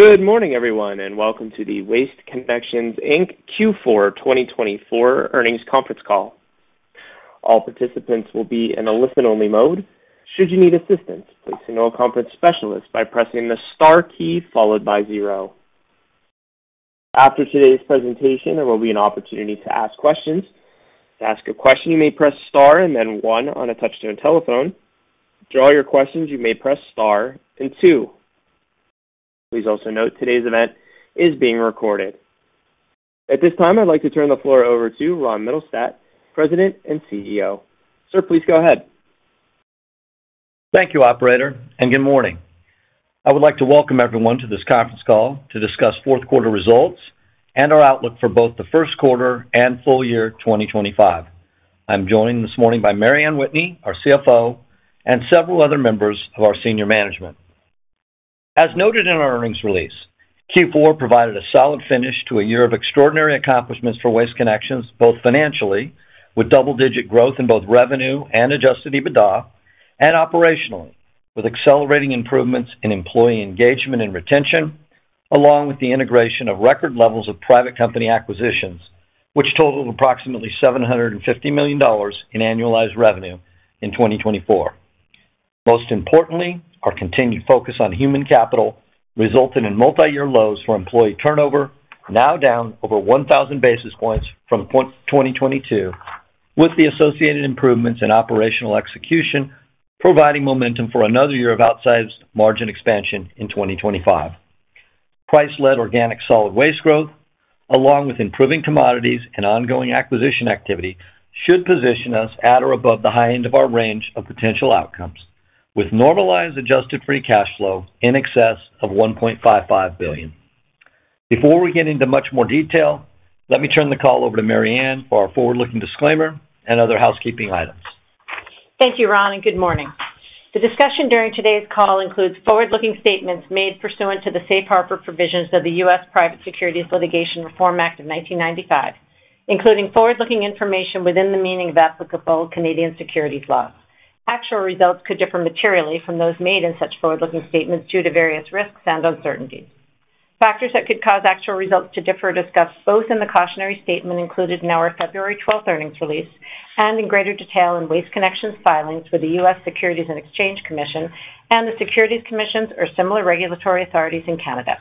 Good morning, everyone, and welcome to the Waste Connections Inc. Q4 2024 Earnings Conference Call. All participants will be in a listen-only mode. Should you need assistance, please signal a conference specialist by pressing the star key followed by zero. After today's presentation, there will be an opportunity to ask questions. To ask a question, you may press star and then one on a touch-tone telephone. To withdraw your questions, you may press star and two. Please also note today's event is being recorded. At this time, I'd like to turn the floor over to Ron Mittelstaedt, President and CEO. Sir, please go ahead. Thank you, Operator, and good morning. I would like to welcome everyone to this conference call to discuss fourth quarter results and our outlook for both the first quarter and full year 2025. I'm joined this morning by Mary Anne Whitney, our CFO, and several other members of our senior management. As noted in our earnings release, Q4 provided a solid finish to a year of extraordinary accomplishments for Waste Connections, both financially with double-digit growth in both revenue and adjusted EBITDA, and operationally with accelerating improvements in employee engagement and retention, along with the integration of record levels of private company acquisitions, which totaled approximately $750 million in annualized revenue in 2024. Most importantly, our continued focus on human capital resulted in multi-year lows for employee turnover, now down over 1,000 basis points from 2022, with the associated improvements in operational execution providing momentum for another year of outsized margin expansion in 2025. Price-led organic solid waste growth, along with improving commodities and ongoing acquisition activity, should position us at or above the high end of our range of potential outcomes, with normalized adjusted free cash flow in excess of $1.55 billion. Before we get into much more detail, let me turn the call over to Mary Anne for our forward-looking disclaimer and other housekeeping items. Thank you, Ron, and good morning. The discussion during today's call includes forward-looking statements made pursuant to the Safe Harbor provisions of the U.S. Private Securities Litigation Reform Act of 1995, including forward-looking information within the meaning of applicable Canadian securities law. Actual results could differ materially from those made in such forward-looking statements due to various risks and uncertainties. Factors that could cause actual results to differ are discussed both in the cautionary statement included in our February 12th earnings release and in greater detail in Waste Connections filings for the U.S. Securities and Exchange Commission and the securities commissions or similar regulatory authorities in Canada.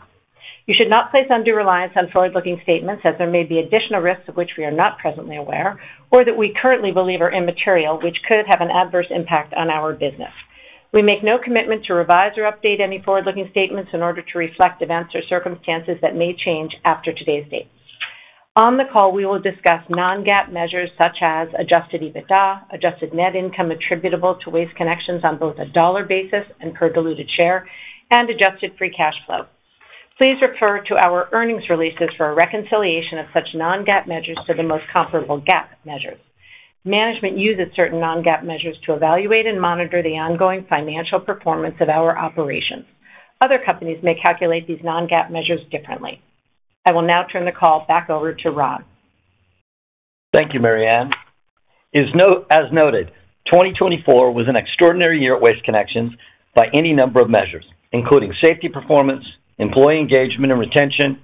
You should not place undue reliance on forward-looking statements as there may be additional risks of which we are not presently aware or that we currently believe are immaterial, which could have an adverse impact on our business. We make no commitment to revise or update any forward-looking statements in order to reflect events or circumstances that may change after today's date. On the call, we will discuss non-GAAP measures such as Adjusted EBITDA, Adjusted net income attributable to Waste Connections on both a dollar basis and per diluted share, and Adjusted free cash flow. Please refer to our earnings releases for a reconciliation of such non-GAAP measures to the most comparable GAAP measures. Management uses certain non-GAAP measures to evaluate and monitor the ongoing financial performance of our operations. Other companies may calculate these non-GAAP measures differently. I will now turn the call back over to Ron. Thank you, Mary Anne. As noted, 2024 was an extraordinary year at Waste Connections by any number of measures, including safety performance, employee engagement and retention,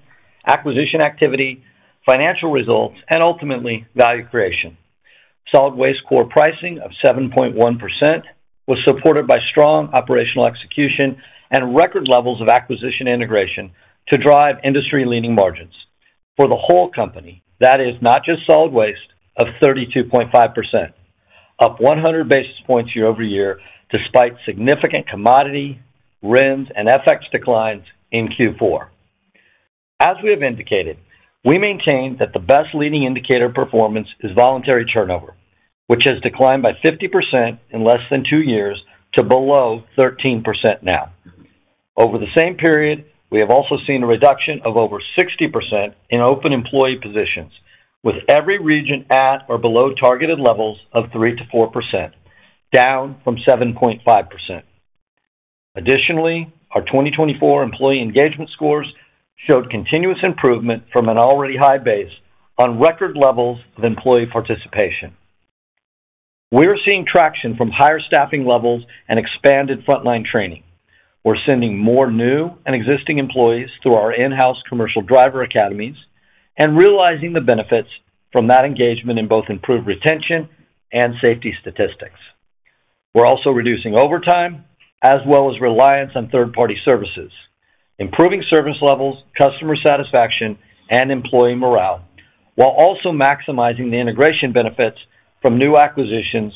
acquisition activity, financial results, and ultimately value creation. Solid waste core pricing of 7.1% was supported by strong operational execution and record levels of acquisition integration to drive industry-leading margins. For the whole company, that is not just solid waste of 32.5%, up 100 basis points year-over-year despite significant commodity, RINs, and FX declines in Q4. As we have indicated, we maintain that the best leading indicator performance is voluntary turnover, which has declined by 50% in less than two years to below 13% now. Over the same period, we have also seen a reduction of over 60% in open employee positions, with every region at or below targeted levels of 3%-4%, down from 7.5%. Additionally, our 2024 employee engagement scores showed continuous improvement from an already high base on record levels of employee participation. We are seeing traction from higher staffing levels and expanded frontline training. We're sending more new and existing employees through our in-house commercial driver academies and realizing the benefits from that engagement in both improved retention and safety statistics. We're also reducing overtime as well as reliance on third-party services, improving service levels, customer satisfaction, and employee morale, while also maximizing the integration benefits from new acquisitions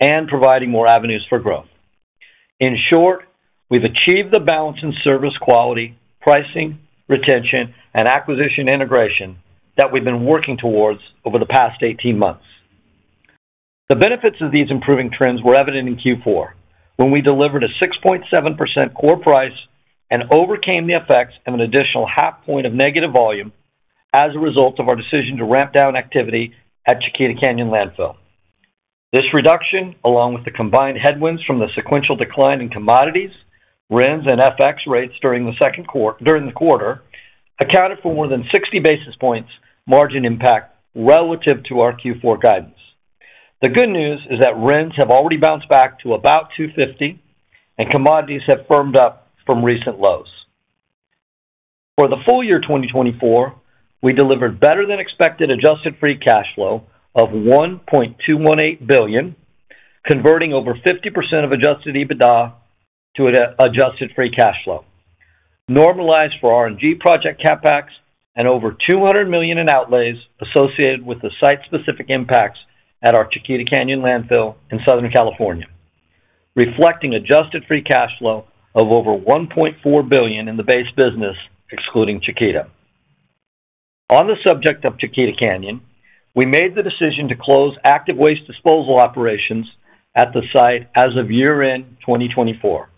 and providing more avenues for growth. In short, we've achieved the balance in service quality, pricing, retention, and acquisition integration that we've been working towards over the past 18 months. The benefits of these improving trends were evident in Q4 when we delivered a 6.7% core price and overcame the effects of an additional half point of negative volume as a result of our decision to ramp down activity at Chiquita Canyon Landfill. This reduction, along with the combined headwinds from the sequential decline in commodities, RINs, and FX rates during the second quarter, accounted for more than 60 basis points margin impact relative to our Q4 guidance. The good news is that RINs have already bounced back to about 250, and commodities have firmed up from recent lows. For the full year 2024, we delivered better-than-expected adjusted free cash flow of $1.218 billion, converting over 50% of adjusted EBITDA to adjusted free cash flow, normalized for RNG project CapEx, and over $200 million in outlays associated with the site-specific impacts at our Chiquita Canyon Landfill in Southern California, reflecting adjusted free cash flow of over $1.4 billion in the base business, excluding Chiquita. On the subject of Chiquita Canyon, we made the decision to close active waste disposal operations at the site as of year-end 2024.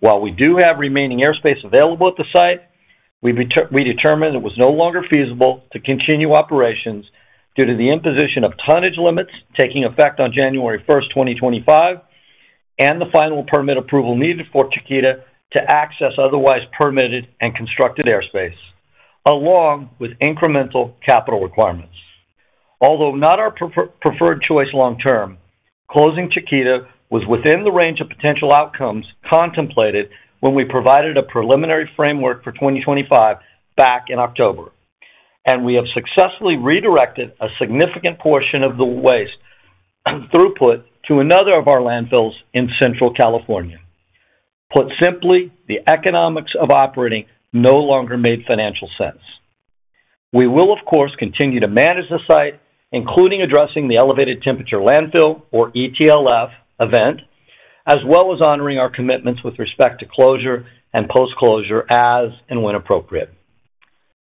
While we do have remaining airspace available at the site, we determined it was no longer feasible to continue operations due to the imposition of tonnage limits taking effect on January 1st, 2025, and the final permit approval needed for Chiquita to access otherwise permitted and constructed airspace, along with incremental capital requirements. Although not our preferred choice long-term, closing Chiquita was within the range of potential outcomes contemplated when we provided a preliminary framework for 2025 back in October, and we have successfully redirected a significant portion of the waste throughput to another of our landfills in Central California. Put simply, the economics of operating no longer made financial sense. We will, of course, continue to manage the site, including addressing the elevated temperature landfill, or ETLF, event, as well as honoring our commitments with respect to closure and post-closure as and when appropriate.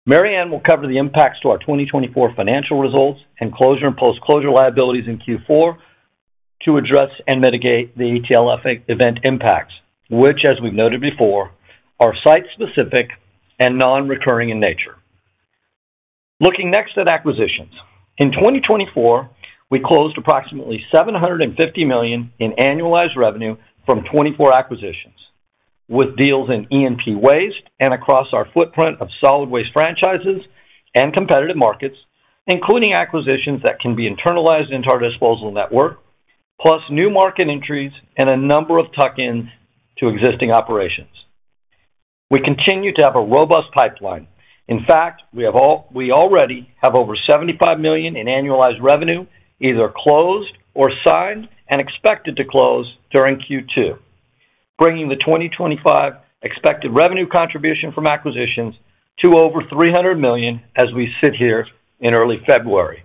Mary Anne will cover the impacts to our 2024 financial results and closure and post-closure liabilities in Q4 to address and mitigate the ETLF event impacts, which, as we've noted before, are site-specific and non-recurring in nature. Looking next at acquisitions, in 2024, we closed approximately $750 million in annualized revenue from 24 acquisitions, with deals in E&P waste and across our footprint of solid waste franchises and competitive markets, including acquisitions that can be internalized into our disposal network, plus new market entries and a number of tuck-ins to existing operations. We continue to have a robust pipeline. In fact, we already have over $75 million in annualized revenue, either closed or signed and expected to close during Q2, bringing the 2025 expected revenue contribution from acquisitions to over $300 million as we sit here in early February.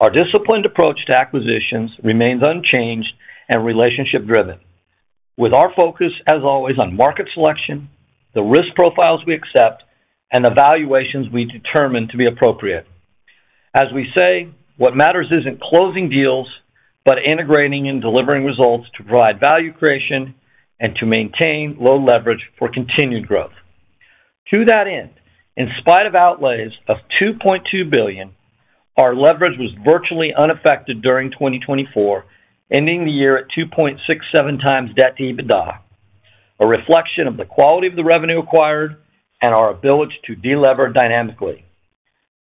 Our disciplined approach to acquisitions remains unchanged and relationship-driven, with our focus, as always, on market selection, the risk profiles we accept, and the valuations we determine to be appropriate. As we say, what matters isn't closing deals, but integrating and delivering results to provide value creation and to maintain low leverage for continued growth. To that end, in spite of outlays of $2.2 billion, our leverage was virtually unaffected during 2024, ending the year at 2.67 times debt to EBITDA, a reflection of the quality of the revenue acquired and our ability to deleverage dynamically.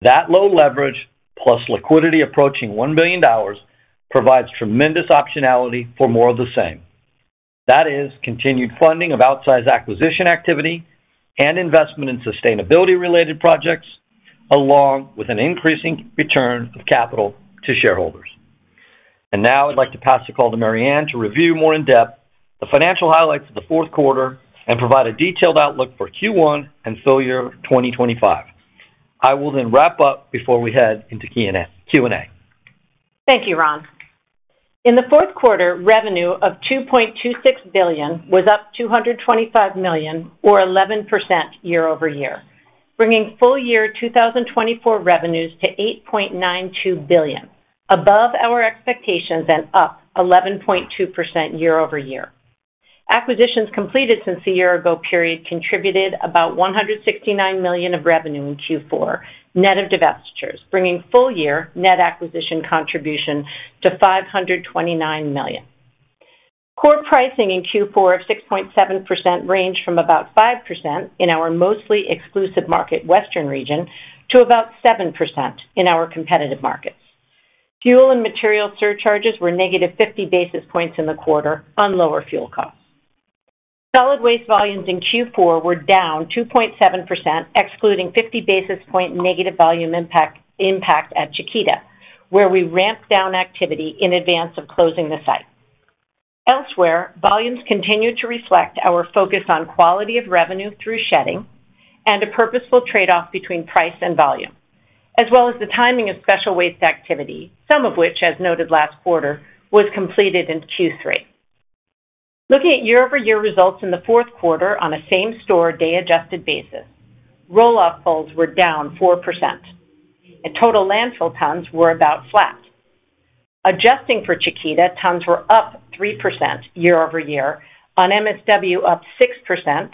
That low leverage, plus liquidity approaching $1 billion, provides tremendous optionality for more of the same. That is, continued funding of outsized acquisition activity and investment in sustainability-related projects, along with an increasing return of capital to shareholders, and now I'd like to pass the call to Mary Anne Whitney to review more in depth the financial highlights of the fourth quarter and provide a detailed outlook for Q1 and full year 2025. I will then wrap up before we head into Q&A. Thank you, Ron. In the fourth quarter, revenue of $2.26 billion was up $225 million, or 11% year-over-year, bringing full year 2024 revenues to $8.92 billion, above our expectations and up 11.2% year-over-year. Acquisitions completed since the year-ago period contributed about $169 million of revenue in Q4 net of divestitures, bringing full year net acquisition contribution to $529 million. Core pricing in Q4 of 6.7% ranged from about 5% in our mostly exclusive market, Western Region, to about 7% in our competitive markets. Fuel and material surcharges were negative 50 basis points in the quarter on lower fuel costs. Solid waste volumes in Q4 were down 2.7%, excluding 50 basis point negative volume impact at Chiquita, where we ramped down activity in advance of closing the site. Elsewhere, volumes continued to reflect our focus on quality of revenue through shedding and a purposeful trade-off between price and volume, as well as the timing of special waste activity, some of which, as noted last quarter, was completed in Q3. Looking at year-over-year results in the fourth quarter on a same-store day-adjusted basis, roll-off pulls were down 4%. Total landfill tons were about flat. Adjusting for Chiquita, tons were up 3% year-over-year, on MSW up 6%,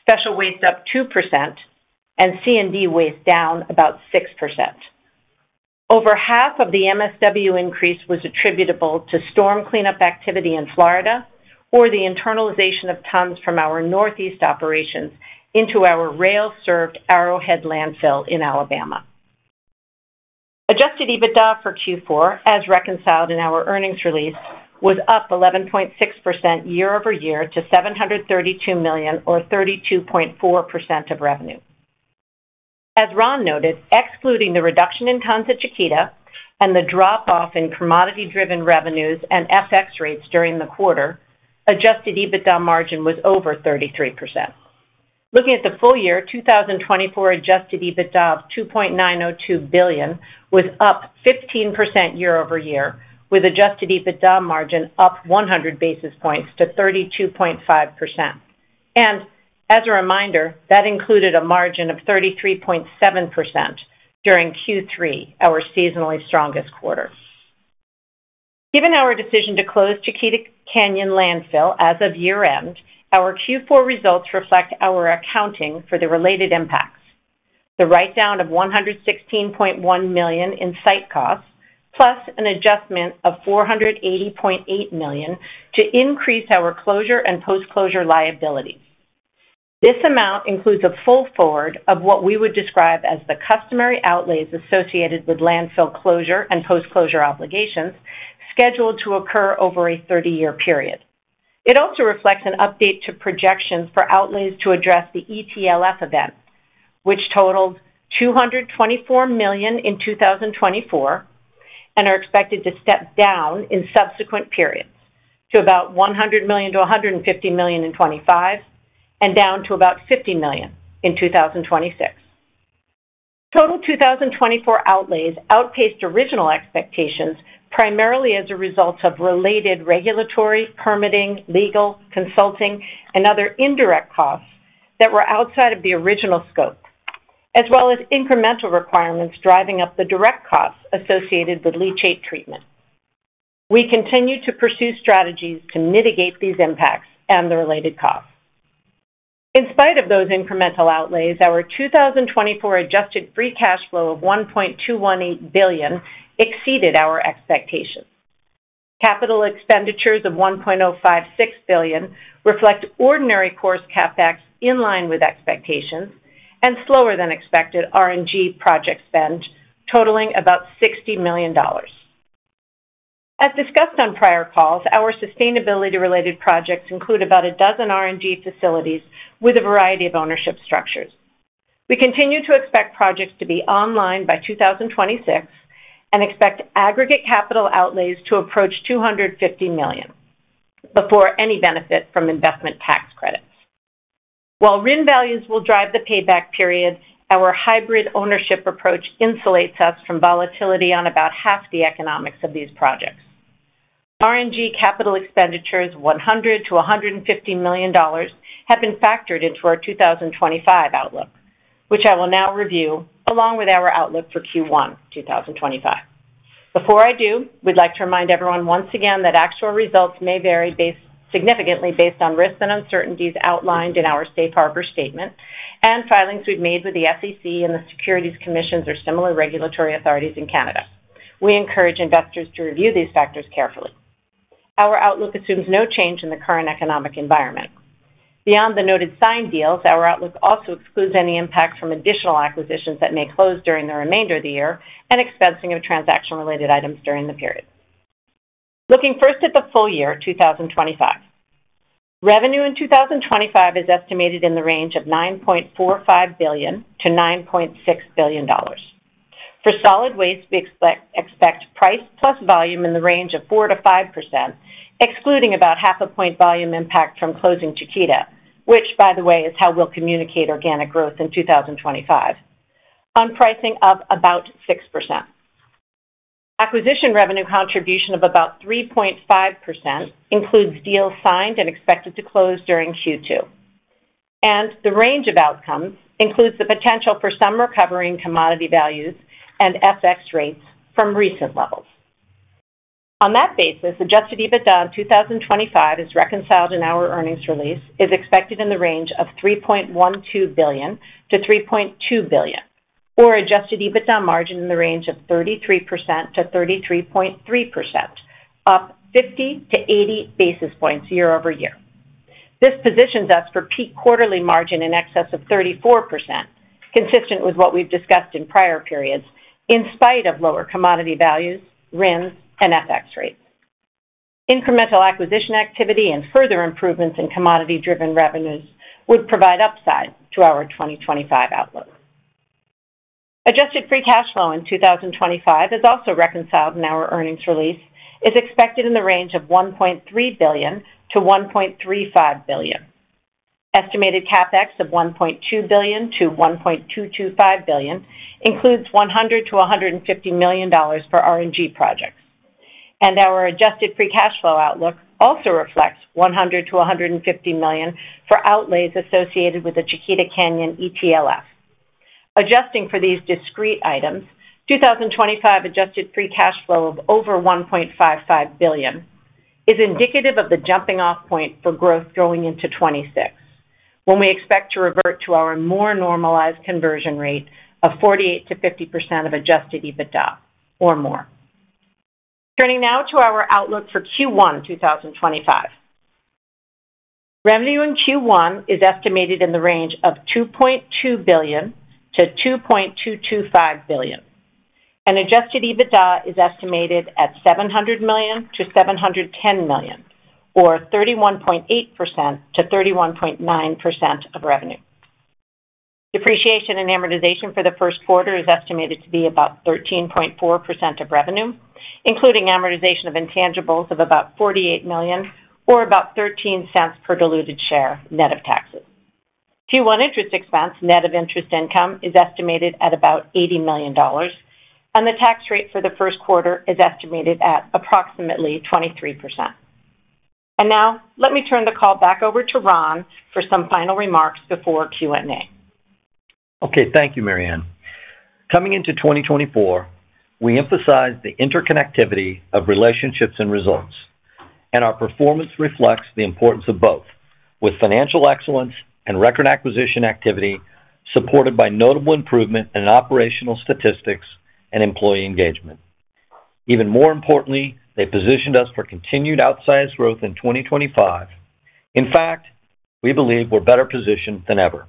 special waste up 2%, and C&D waste down about 6%. Over half of the MSW increase was attributable to storm cleanup activity in Florida or the internalization of tons from our Northeast operations into our rail-served Arrowhead Landfill in Alabama. Adjusted EBITDA for Q4, as reconciled in our earnings release, was up 11.6% year-over-year to $732 million, or 32.4% of revenue. As Ron noted, excluding the reduction in tons at Chiquita and the drop-off in commodity-driven revenues and FX rates during the quarter, Adjusted EBITDA margin was over 33%. Looking at the full year, 2024 Adjusted EBITDA of $2.902 billion was up 15% year-over-year, with Adjusted EBITDA margin up 100 basis points to 32.5%. And as a reminder, that included a margin of 33.7% during Q3, our seasonally strongest quarter. Given our decision to close Chiquita Canyon Landfill as of year-end, our Q4 results reflect our accounting for the related impacts: the write-down of $116.1 million in site costs, plus an adjustment of $480.8 million to increase our closure and post-closure liabilities. This amount includes a full forward of what we would describe as the customary outlays associated with landfill closure and post-closure obligations scheduled to occur over a 30-year period. It also reflects an update to projections for outlays to address the ETLF event, which totaled $224 million in 2024 and are expected to step down in subsequent periods to about $100 million-$150 million in 2025 and down to about $50 million in 2026. Total 2024 outlays outpaced original expectations primarily as a result of related regulatory, permitting, legal, consulting, and other indirect costs that were outside of the original scope, as well as incremental requirements driving up the direct costs associated with leachate treatment. We continue to pursue strategies to mitigate these impacts and the related costs. In spite of those incremental outlays, our 2024 adjusted free cash flow of $1.218 billion exceeded our expectations. Capital expenditures of $1.056 billion reflect ordinary course CapEx in line with expectations and slower-than-expected RNG project spend totaling about $60 million. As discussed on prior calls, our sustainability-related projects include about a dozen RNG facilities with a variety of ownership structures. We continue to expect projects to be online by 2026 and expect aggregate capital outlays to approach $250 million before any benefit from investment tax credits. While RIN values will drive the payback period, our hybrid ownership approach insulates us from volatility on about half the economics of these projects. RNG capital expenditures of $100-$150 million have been factored into our 2025 outlook, which I will now review along with our outlook for Q1 2025. Before I do, we'd like to remind everyone once again that actual results may vary significantly based on risks and uncertainties outlined in our Safe Harbor Statement and filings we've made with the SEC and the Securities Commissions or similar regulatory authorities in Canada. We encourage investors to review these factors carefully. Our outlook assumes no change in the current economic environment. Beyond the noted signed deals, our outlook also excludes any impacts from additional acquisitions that may close during the remainder of the year and expensing of transaction-related items during the period. Looking first at the full year 2025, revenue in 2025 is estimated in the range of $9.45 billion-$9.6 billion. For solid waste, we expect price plus volume in the range of 4%-5%, excluding about half a point volume impact from closing Chiquita, which, by the way, is how we'll communicate organic growth in 2025, on pricing up about 6%. Acquisition revenue contribution of about 3.5% includes deals signed and expected to close during Q2, and the range of outcomes includes the potential for some recovering commodity values and FX rates from recent levels. On that basis, adjusted EBITDA in 2025 is reconciled in our earnings release, is expected in the range of $3.12-$3.2 billion, or adjusted EBITDA margin in the range of 33%-33.3%, up 50-80 basis points year-over-year. This positions us for peak quarterly margin in excess of 34%, consistent with what we've discussed in prior periods in spite of lower commodity values, RINs, and FX rates. Incremental acquisition activity and further improvements in commodity-driven revenues would provide upside to our 2025 outlook. Adjusted free cash flow in 2025 is also reconciled in our earnings release, is expected in the range of $1.3-$1.35 billion. Estimated CapEx of $1.2-$1.225 billion includes $100-$150 million for RNG projects. And our adjusted free cash flow outlook also reflects $100-$150 million for outlays associated with the Chiquita Canyon ETLF. Adjusting for these discrete items, 2025 adjusted free cash flow of over $1.55 billion is indicative of the jumping-off point for growth going into 2026, when we expect to revert to our more normalized conversion rate of 48%-50% of adjusted EBITDA or more. Turning now to our outlook for Q1 2025. Revenue in Q1 is estimated in the range of $2.2 billion-$2.225 billion, and adjusted EBITDA is estimated at $700 million-$710 million, or 31.8%-31.9% of revenue. Depreciation and amortization for the first quarter is estimated to be about 13.4% of revenue, including amortization of intangibles of about $48 million, or about $0.13 per diluted share net of taxes. Q1 interest expense net of interest income is estimated at about $80 million, and the tax rate for the first quarter is estimated at approximately 23%. Now let me turn the call back over to Ron for some final remarks before Q&A. Okay. Thank you, Mary Anne. Coming into 2024, we emphasized the interconnectivity of relationships and results, and our performance reflects the importance of both, with financial excellence and record acquisition activity supported by notable improvement in operational statistics and employee engagement. Even more importantly, they positioned us for continued outsized growth in 2025. In fact, we believe we're better positioned than ever.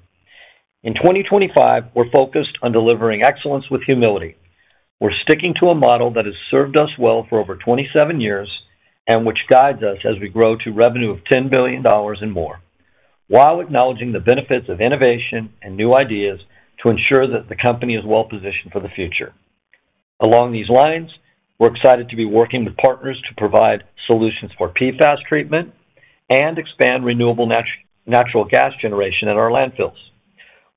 In 2025, we're focused on delivering excellence with humility. We're sticking to a model that has served us well for over 27 years and which guides us as we grow to revenue of $10 billion and more, while acknowledging the benefits of innovation and new ideas to ensure that the company is well positioned for the future. Along these lines, we're excited to be working with partners to provide solutions for PFAS treatment and expand renewable natural gas generation at our landfills.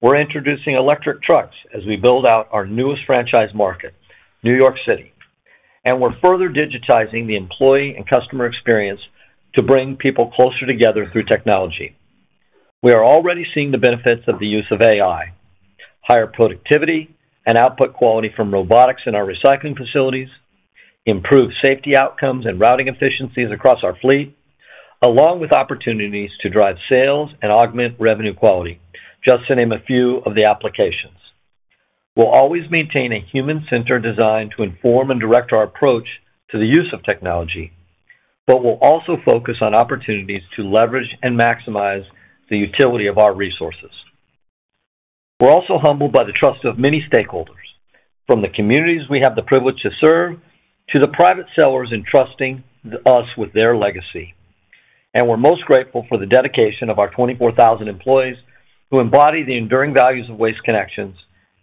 We're introducing electric trucks as we build out our newest franchise market, New York City, and we're further digitizing the employee and customer experience to bring people closer together through technology. We are already seeing the benefits of the use of AI, higher productivity and output quality from robotics in our recycling facilities, improved safety outcomes and routing efficiencies across our fleet, along with opportunities to drive sales and augment revenue quality, just to name a few of the applications. We'll always maintain a human-centered design to inform and direct our approach to the use of technology, but we'll also focus on opportunities to leverage and maximize the utility of our resources. We're also humbled by the trust of many stakeholders, from the communities we have the privilege to serve to the private sellers entrusting us with their legacy. And we're most grateful for the dedication of our 24,000 employees who embody the enduring values of Waste Connections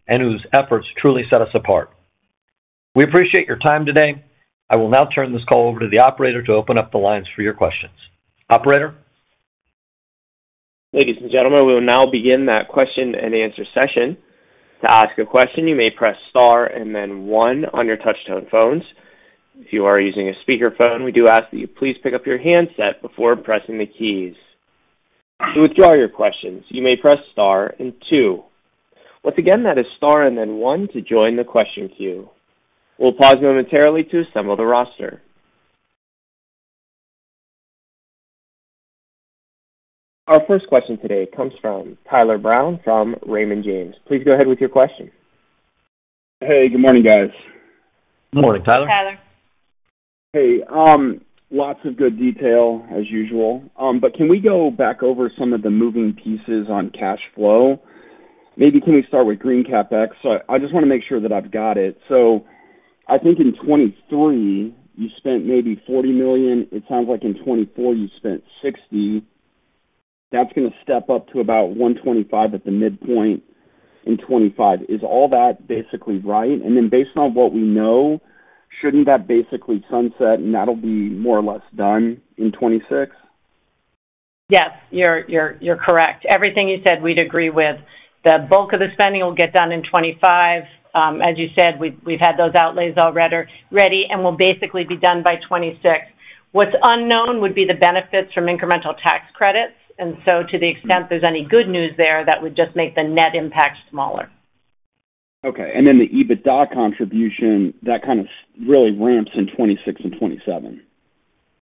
and whose efforts truly set us apart. We appreciate your time today. I will now turn this call over to the operator to open up the lines for your questions. Operator. Ladies and gentlemen, we will now begin the question and answer session. To ask a question, you may press star and then one on your touch-tone phones. If you are using a speakerphone, we do ask that you please pick up your handset before pressing the keys. To withdraw your question, you may press star and two. Once again, that is star and then one to join the question queue. We'll pause momentarily to assemble the roster. Our first question today comes from Tyler Brown from Raymond James. Please go ahead with your question. Hey, good morning, guys. Good morning, Tyler. Hey, Tyler. Hey. Lots of good detail as usual. But can we go back over some of the moving pieces on cash flow? Maybe can we start with green CapEx? So I just want to make sure that I've got it. So I think in 2023, you spent maybe $40 million. It sounds like in 2024, you spent $60. That's going to step up to about $125 at the midpoint in 2025. Is all that basically right? And then based on what we know, shouldn't that basically sunset and that'll be more or less done in 2026? Yes, you're correct. Everything you said, we'd agree with. The bulk of the spending will get done in 2025. As you said, we've had those outlays already and will basically be done by 2026. What's unknown would be the benefits from incremental tax credits. And so to the extent there's any good news there, that would just make the net impact smaller. Okay. And then the EBITDA contribution, that kind of really ramps in 2026 and 2027.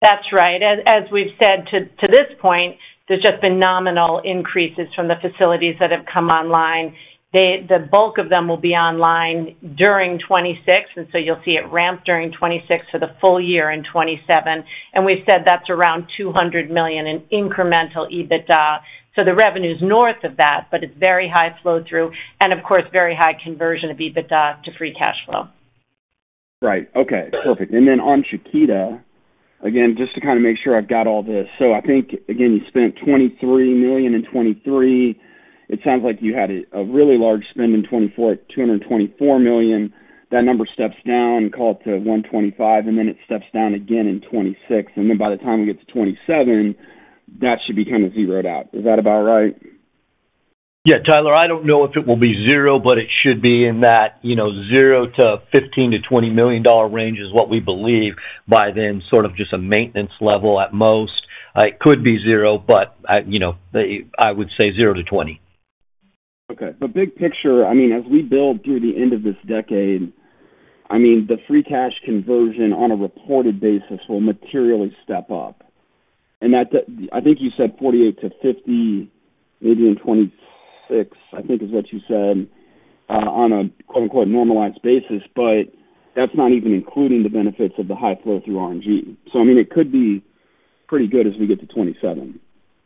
That's right. As we've said to this point, there's just been nominal increases from the facilities that have come online. The bulk of them will be online during 2026, and so you'll see it ramp during 2026 for the full year in 2027, and we've said that's around $200 million in incremental EBITDA, so the revenue is north of that, but it's very high flow-through and, of course, very high conversion of EBITDA to free cash flow. Right. Okay. Perfect. And then on Chiquita, again, just to kind of make sure I've got all this. So I think, again, you spent $23 million in 2023. It sounds like you had a really large spend in 2024 at $224 million. That number steps down, call it to $125 million, and then it steps down again in 2026. And then by the time we get to 2027, that should be kind of zeroed out. Is that about right? Yeah. Tyler, I don't know if it will be zero, but it should be in that zero to $15-$20 million range is what we believe by then sort of just a maintenance level at most. It could be zero, but I would say zero to $20. Okay. But big picture, I mean, as we build through the end of this decade, I mean, the free cash conversion on a reported basis will materially step up. And I think you said $48-$50 million maybe in 2026, I think is what you said, on a "normalized basis," but that's not even including the benefits of the high flow-through RNG. So I mean, it could be pretty good as we get to 2027.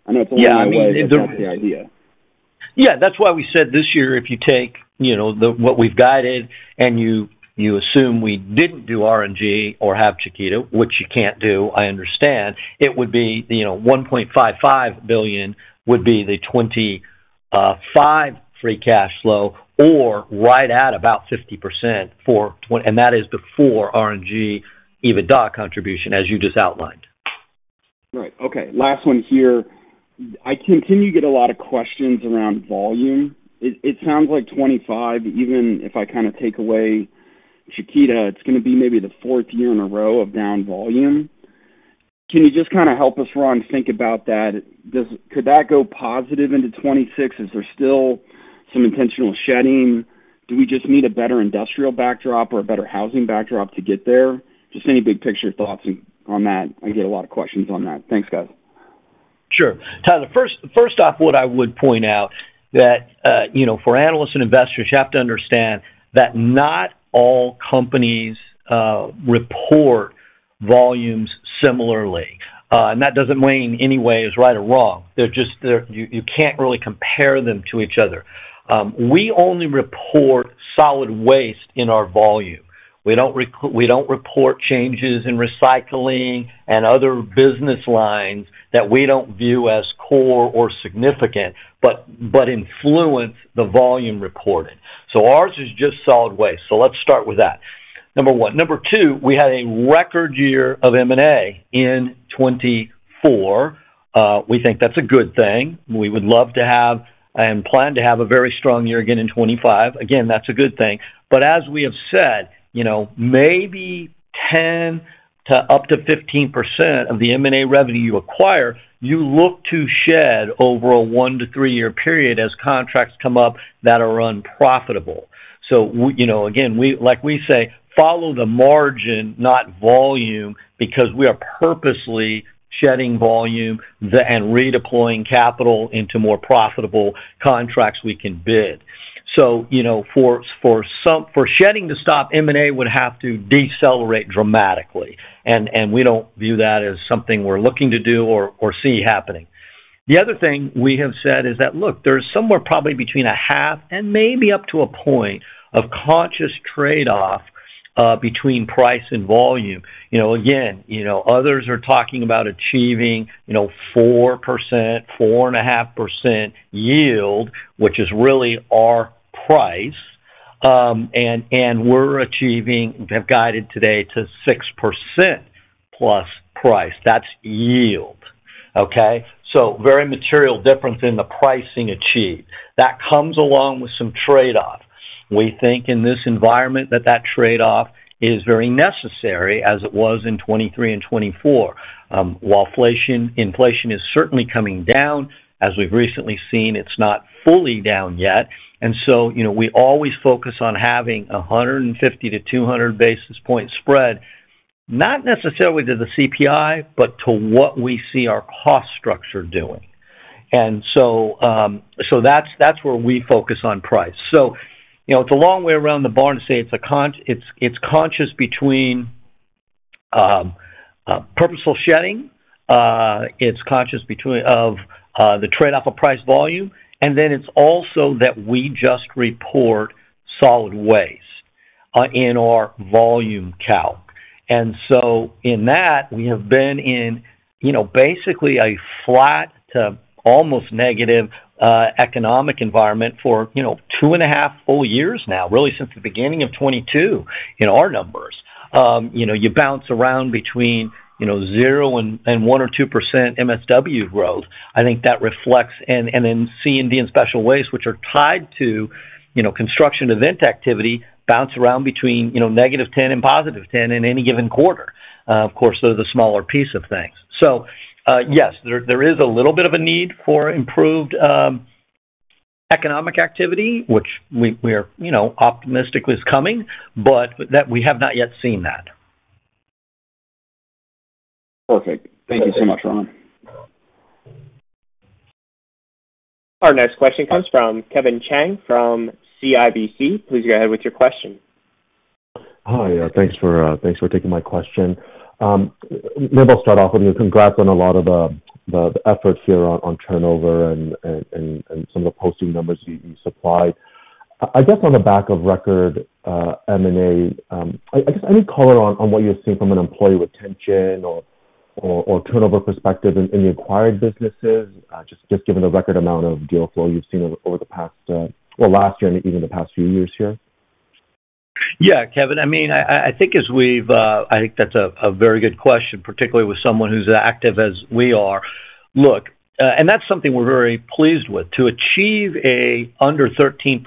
I know it's a long way from the idea. Yeah. That's why we said this year, if you take what we've guided and you assume we didn't do RNG or have Chiquita, which you can't do, I understand, it would be $1.55 billion, the 2025 free cash flow or right at about 50% for and that is before RNG EBITDA contribution, as you just outlined. Right. Okay. Last one here. I continue to get a lot of questions around volume. It sounds like 2025, even if I kind of take away Chiquita, it's going to be maybe the fourth year in a row of down volume. Can you just kind of help us, Ron, think about that? Could that go positive into 2026? Is there still some intentional shedding? Do we just need a better industrial backdrop or a better housing backdrop to get there? Just any big picture thoughts on that. I get a lot of questions on that. Thanks, guys. Sure. Tyler, first off, what I would point out is that for analysts and investors, you have to understand that not all companies report volumes similarly, and that doesn't mean any way is right or wrong. You can't really compare them to each other. We only report solid waste in our volume. We don't report changes in recycling and other business lines that we don't view as core or significant but influence the volume reported, so ours is just solid waste, so let's start with that, number one. Number two, we had a record year of M&A in 2024. We think that's a good thing. We would love to have and plan to have a very strong year again in 2025. Again, that's a good thing. As we have said, maybe 10% to up to 15% of the M&A revenue you acquire, you look to shed over a one to three-year period as contracts come up that are unprofitable. Again, like we say, follow the margin, not volume, because we are purposely shedding volume and redeploying capital into more profitable contracts we can bid. For shedding to stop, M&A would have to decelerate dramatically. We don't view that as something we're looking to do or see happening. The other thing we have said is that, look, there's somewhere probably between a half and maybe up to a point of conscious trade-off between price and volume. Again, others are talking about achieving 4%, 4.5% yield, which is really our price. We're achieving we have guided today to 6% plus price. That's yield. Okay? Very material difference in the pricing achieved. That comes along with some trade-off. We think in this environment that that trade-off is very necessary as it was in 2023 and 2024. While inflation is certainly coming down, as we've recently seen, it's not fully down yet, and so we always focus on having a 150-200 basis points spread, not necessarily to the CPI, but to what we see our cost structure doing. And so that's where we focus on price. So it's a long way around the barn to say it's conscious between purposeful shedding. It's conscious of the trade-off of price volume. And then it's also that we just report solid waste in our volume calc. And so in that, we have been in basically a flat to almost negative economic environment for two and a half full years now, really since the beginning of 2022 in our numbers. You bounce around between zero and one or 2% MSW growth. I think that reflects and then C&D and special waste, which are tied to construction event activity, bounce around between negative 10% and positive 10% in any given quarter. Of course, those are the smaller piece of things. So yes, there is a little bit of a need for improved economic activity, which we are optimistic is coming, but we have not yet seen that. Perfect. Thank you so much, Ron. Our next question comes from Kevin Chiang from CIBC. Please go ahead with your question. Hi. Thanks for taking my question. Maybe I'll start off with you. Congrats on a lot of the efforts here on turnover and some of the posting numbers you supplied. I guess on the back of record M&A, I guess any color on what you're seeing from an employee retention or turnover perspective in the acquired businesses, just given the record amount of deal flow you've seen over the past or last year and even the past few years here? Yeah, Kevin. I mean, I think that's a very good question, particularly with someone who's as active as we are. Look, and that's something we're very pleased with. To achieve an under 13%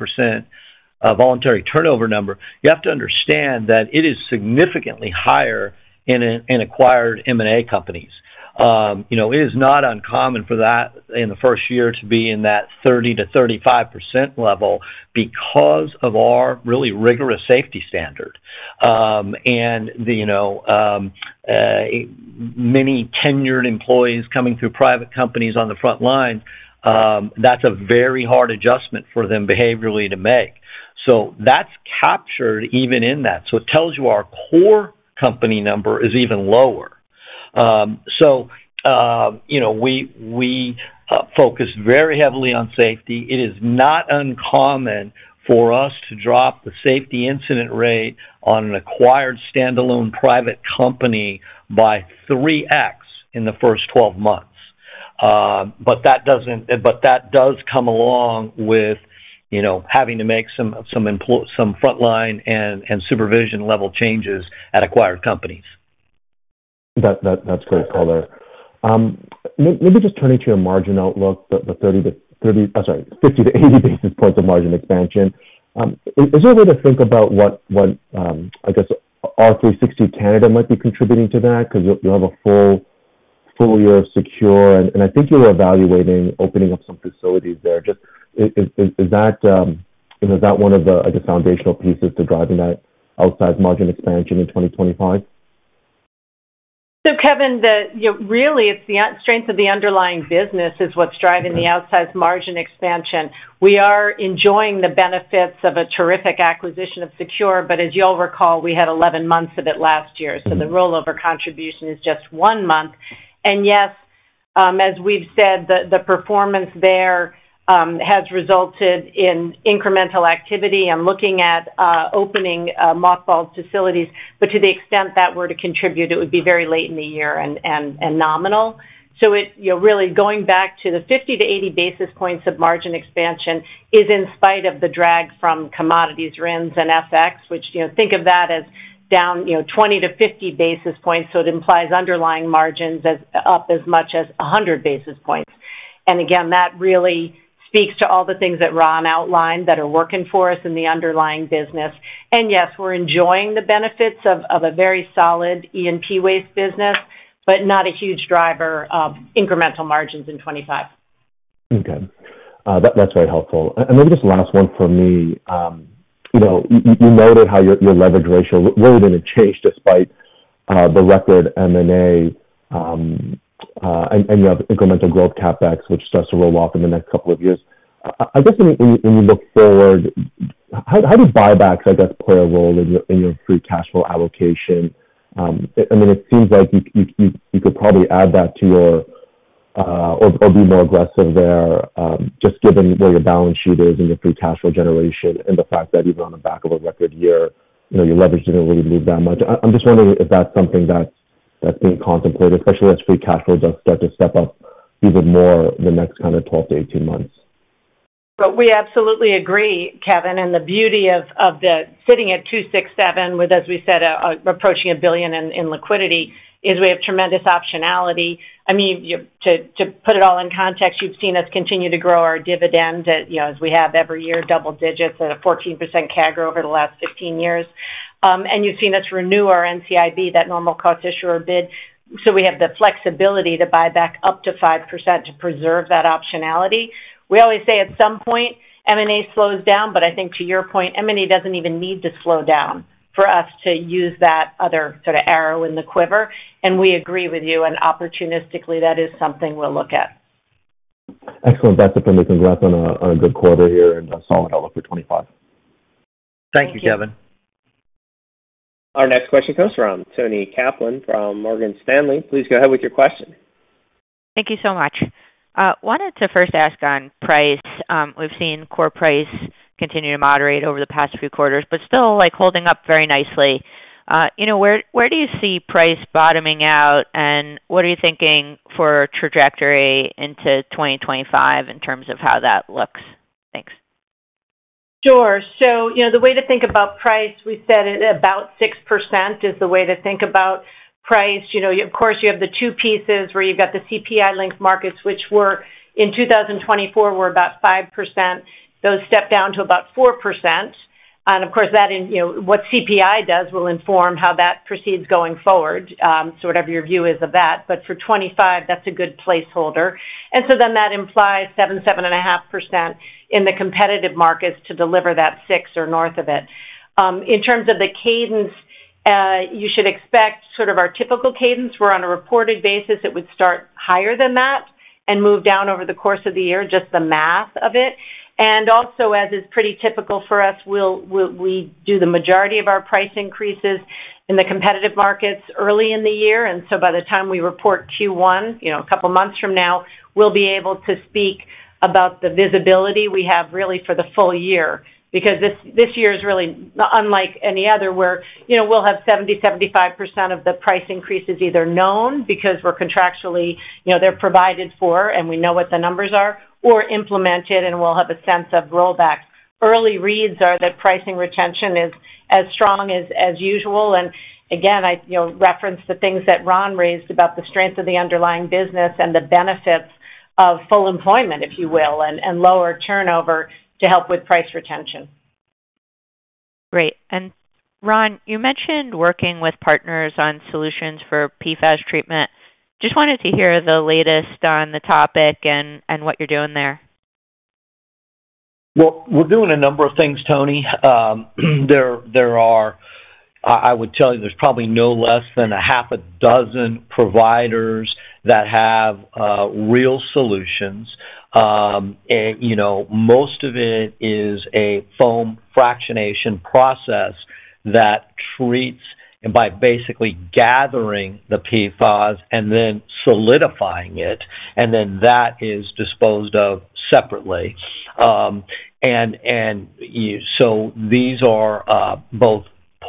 voluntary turnover number, you have to understand that it is significantly higher in acquired M&A companies. It is not uncommon for that in the first year to be in that 30%-35% level because of our really rigorous safety standard. And many tenured employees coming through private companies on the front line, that's a very hard adjustment for them behaviorally to make. So that's captured even in that. So it tells you our core company number is even lower. So we focus very heavily on safety. It is not uncommon for us to drop the safety incident rate on an acquired standalone private company by 3X in the first 12 months. But that does come along with having to make some frontline and supervision level changes at acquired companies. That's great color. Maybe just turning to your margin outlook, the 30 to, I'm sorry, 50 to 80 basis points of margin expansion. Is there a way to think about what, I guess, R360 Canada might be contributing to that? Because you'll have a full year of Secure. And I think you were evaluating opening up some facilities there. Is that one of the, I guess, foundational pieces to driving that overall margin expansion in 2025? So Kevin, really, it's the strength of the underlying business is what's driving the outsized margin expansion. We are enjoying the benefits of a terrific acquisition of Secure, but as you all recall, we had 11 months of it last year. So the rollover contribution is just one month. And yes, as we've said, the performance there has resulted in incremental activity and looking at opening mothballed facilities. But to the extent that we're to contribute, it would be very late in the year and nominal. So really going back to the 50-80 basis points of margin expansion is in spite of the drag from commodities, RINs, and FX, which think of that as down 20-50 basis points. So it implies underlying margins up as much as 100 basis points. And again, that really speaks to all the things that Ron outlined that are working for us in the underlying business. And yes, we're enjoying the benefits of a very solid E&P waste business, but not a huge driver of incremental margins in 2025. Okay. That's very helpful. And maybe just the last one for me. You noted how your leverage ratio really didn't change despite the record M&A and you have incremental growth CapEx, which starts to roll off in the next couple of years. I guess when you look forward, how do buybacks, I guess, play a role in your free cash flow allocation? I mean, it seems like you could probably add that to your or be more aggressive there, just given where your balance sheet is and your free cash flow generation and the fact that even on the back of a record year, your leverage didn't really move that much. I'm just wondering if that's something that's being contemplated, especially as free cash flow does start to step up even more the next kind of 12-18 months. We absolutely agree, Kevin. The beauty of sitting at 2.67 with, as we said, approaching $1 billion in liquidity is we have tremendous optionality. I mean, to put it all in context, you've seen us continue to grow our dividend as we have every year, double digits at a 14% CAGR over the last 15 years. And you've seen us renew our NCIB, that Normal Course Issuer Bid. So we have the flexibility to buy back up to 5% to preserve that optionality. We always say at some point, M&A slows down, but I think to your point, M&A doesn't even need to slow down for us to use that other sort of arrow in the quiver. And we agree with you. And opportunistically, that is something we'll look at. Excellent. That's it for me. Congrats on a good quarter here and solid outlook for 2025. Thank you, Kevin. Our next question comes from Toni Kaplan from Morgan Stanley. Please go ahead with your question. Thank you so much. I wanted to first ask on price. We've seen core price continue to moderate over the past few quarters, but still holding up very nicely. Where do you see price bottoming out? And what are you thinking for trajectory into 2025 in terms of how that looks? Thanks. Sure, so the way to think about price, we said about 6% is the way to think about price. Of course, you have the two pieces where you've got the CPI-linked markets, which in 2024 were about 5%. Those step down to about 4%, and of course, what CPI does will inform how that proceeds going forward, so whatever your view is of that, but for 2025, that's a good placeholder, and so then that implies 7%-7.5% in the competitive markets to deliver that 6% or north of it. In terms of the cadence, you should expect sort of our typical cadence. We're on a reported basis. It would start higher than that and move down over the course of the year, just the math of it. And also, as is pretty typical for us, we do the majority of our price increases in the competitive markets early in the year. And so by the time we report Q1, a couple of months from now, we'll be able to speak about the visibility we have really for the full year. Because this year is really unlike any other where we'll have 70%-75% of the price increases either known because they're contractually provided for and we know what the numbers are, or implemented and we'll have a sense of rollback. Early reads are that pricing retention is as strong as usual. And again, I referenced the things that Ron raised about the strength of the underlying business and the benefits of full employment, if you will, and lower turnover to help with price retention. Great. And Ron, you mentioned working with partners on solutions for PFAS treatment. Just wanted to hear the latest on the topic and what you're doing there. We're doing a number of things, Toni. There are, I would tell you, there's probably no less than a half a dozen providers that have real solutions. And most of it is a foam fractionation process that treats and by basically gathering the PFAS and then solidifying it, and then that is disposed of separately. And so these are both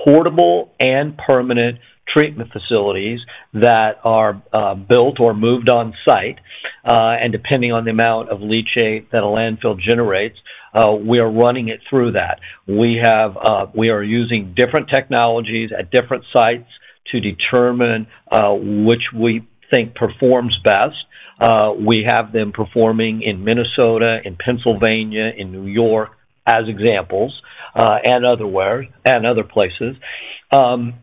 portable and permanent treatment facilities that are built or moved on site. And depending on the amount of leachate that a landfill generates, we are running it through that. We are using different technologies at different sites to determine which we think performs best. We have them performing in Minnesota, in Pennsylvania, in New York as examples and other places. And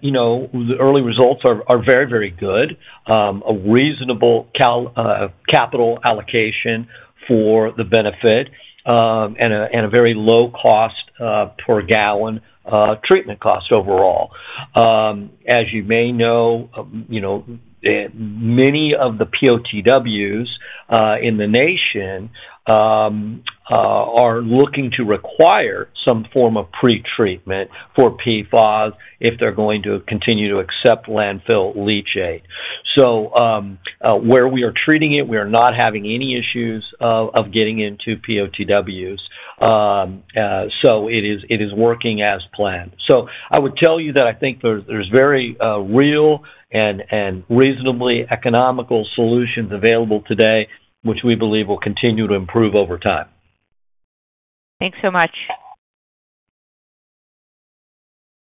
the early results are very, very good. A reasonable capital allocation for the benefit and a very low cost per gallon treatment cost overall. As you may know, many of the POTWs in the nation are looking to require some form of pretreatment for PFAS if they're going to continue to accept landfill leachate. So where we are treating it, we are not having any issues of getting into POTWs. So it is working as planned. So I would tell you that I think there's very real and reasonably economical solutions available today, which we believe will continue to improve over time. Thanks so much.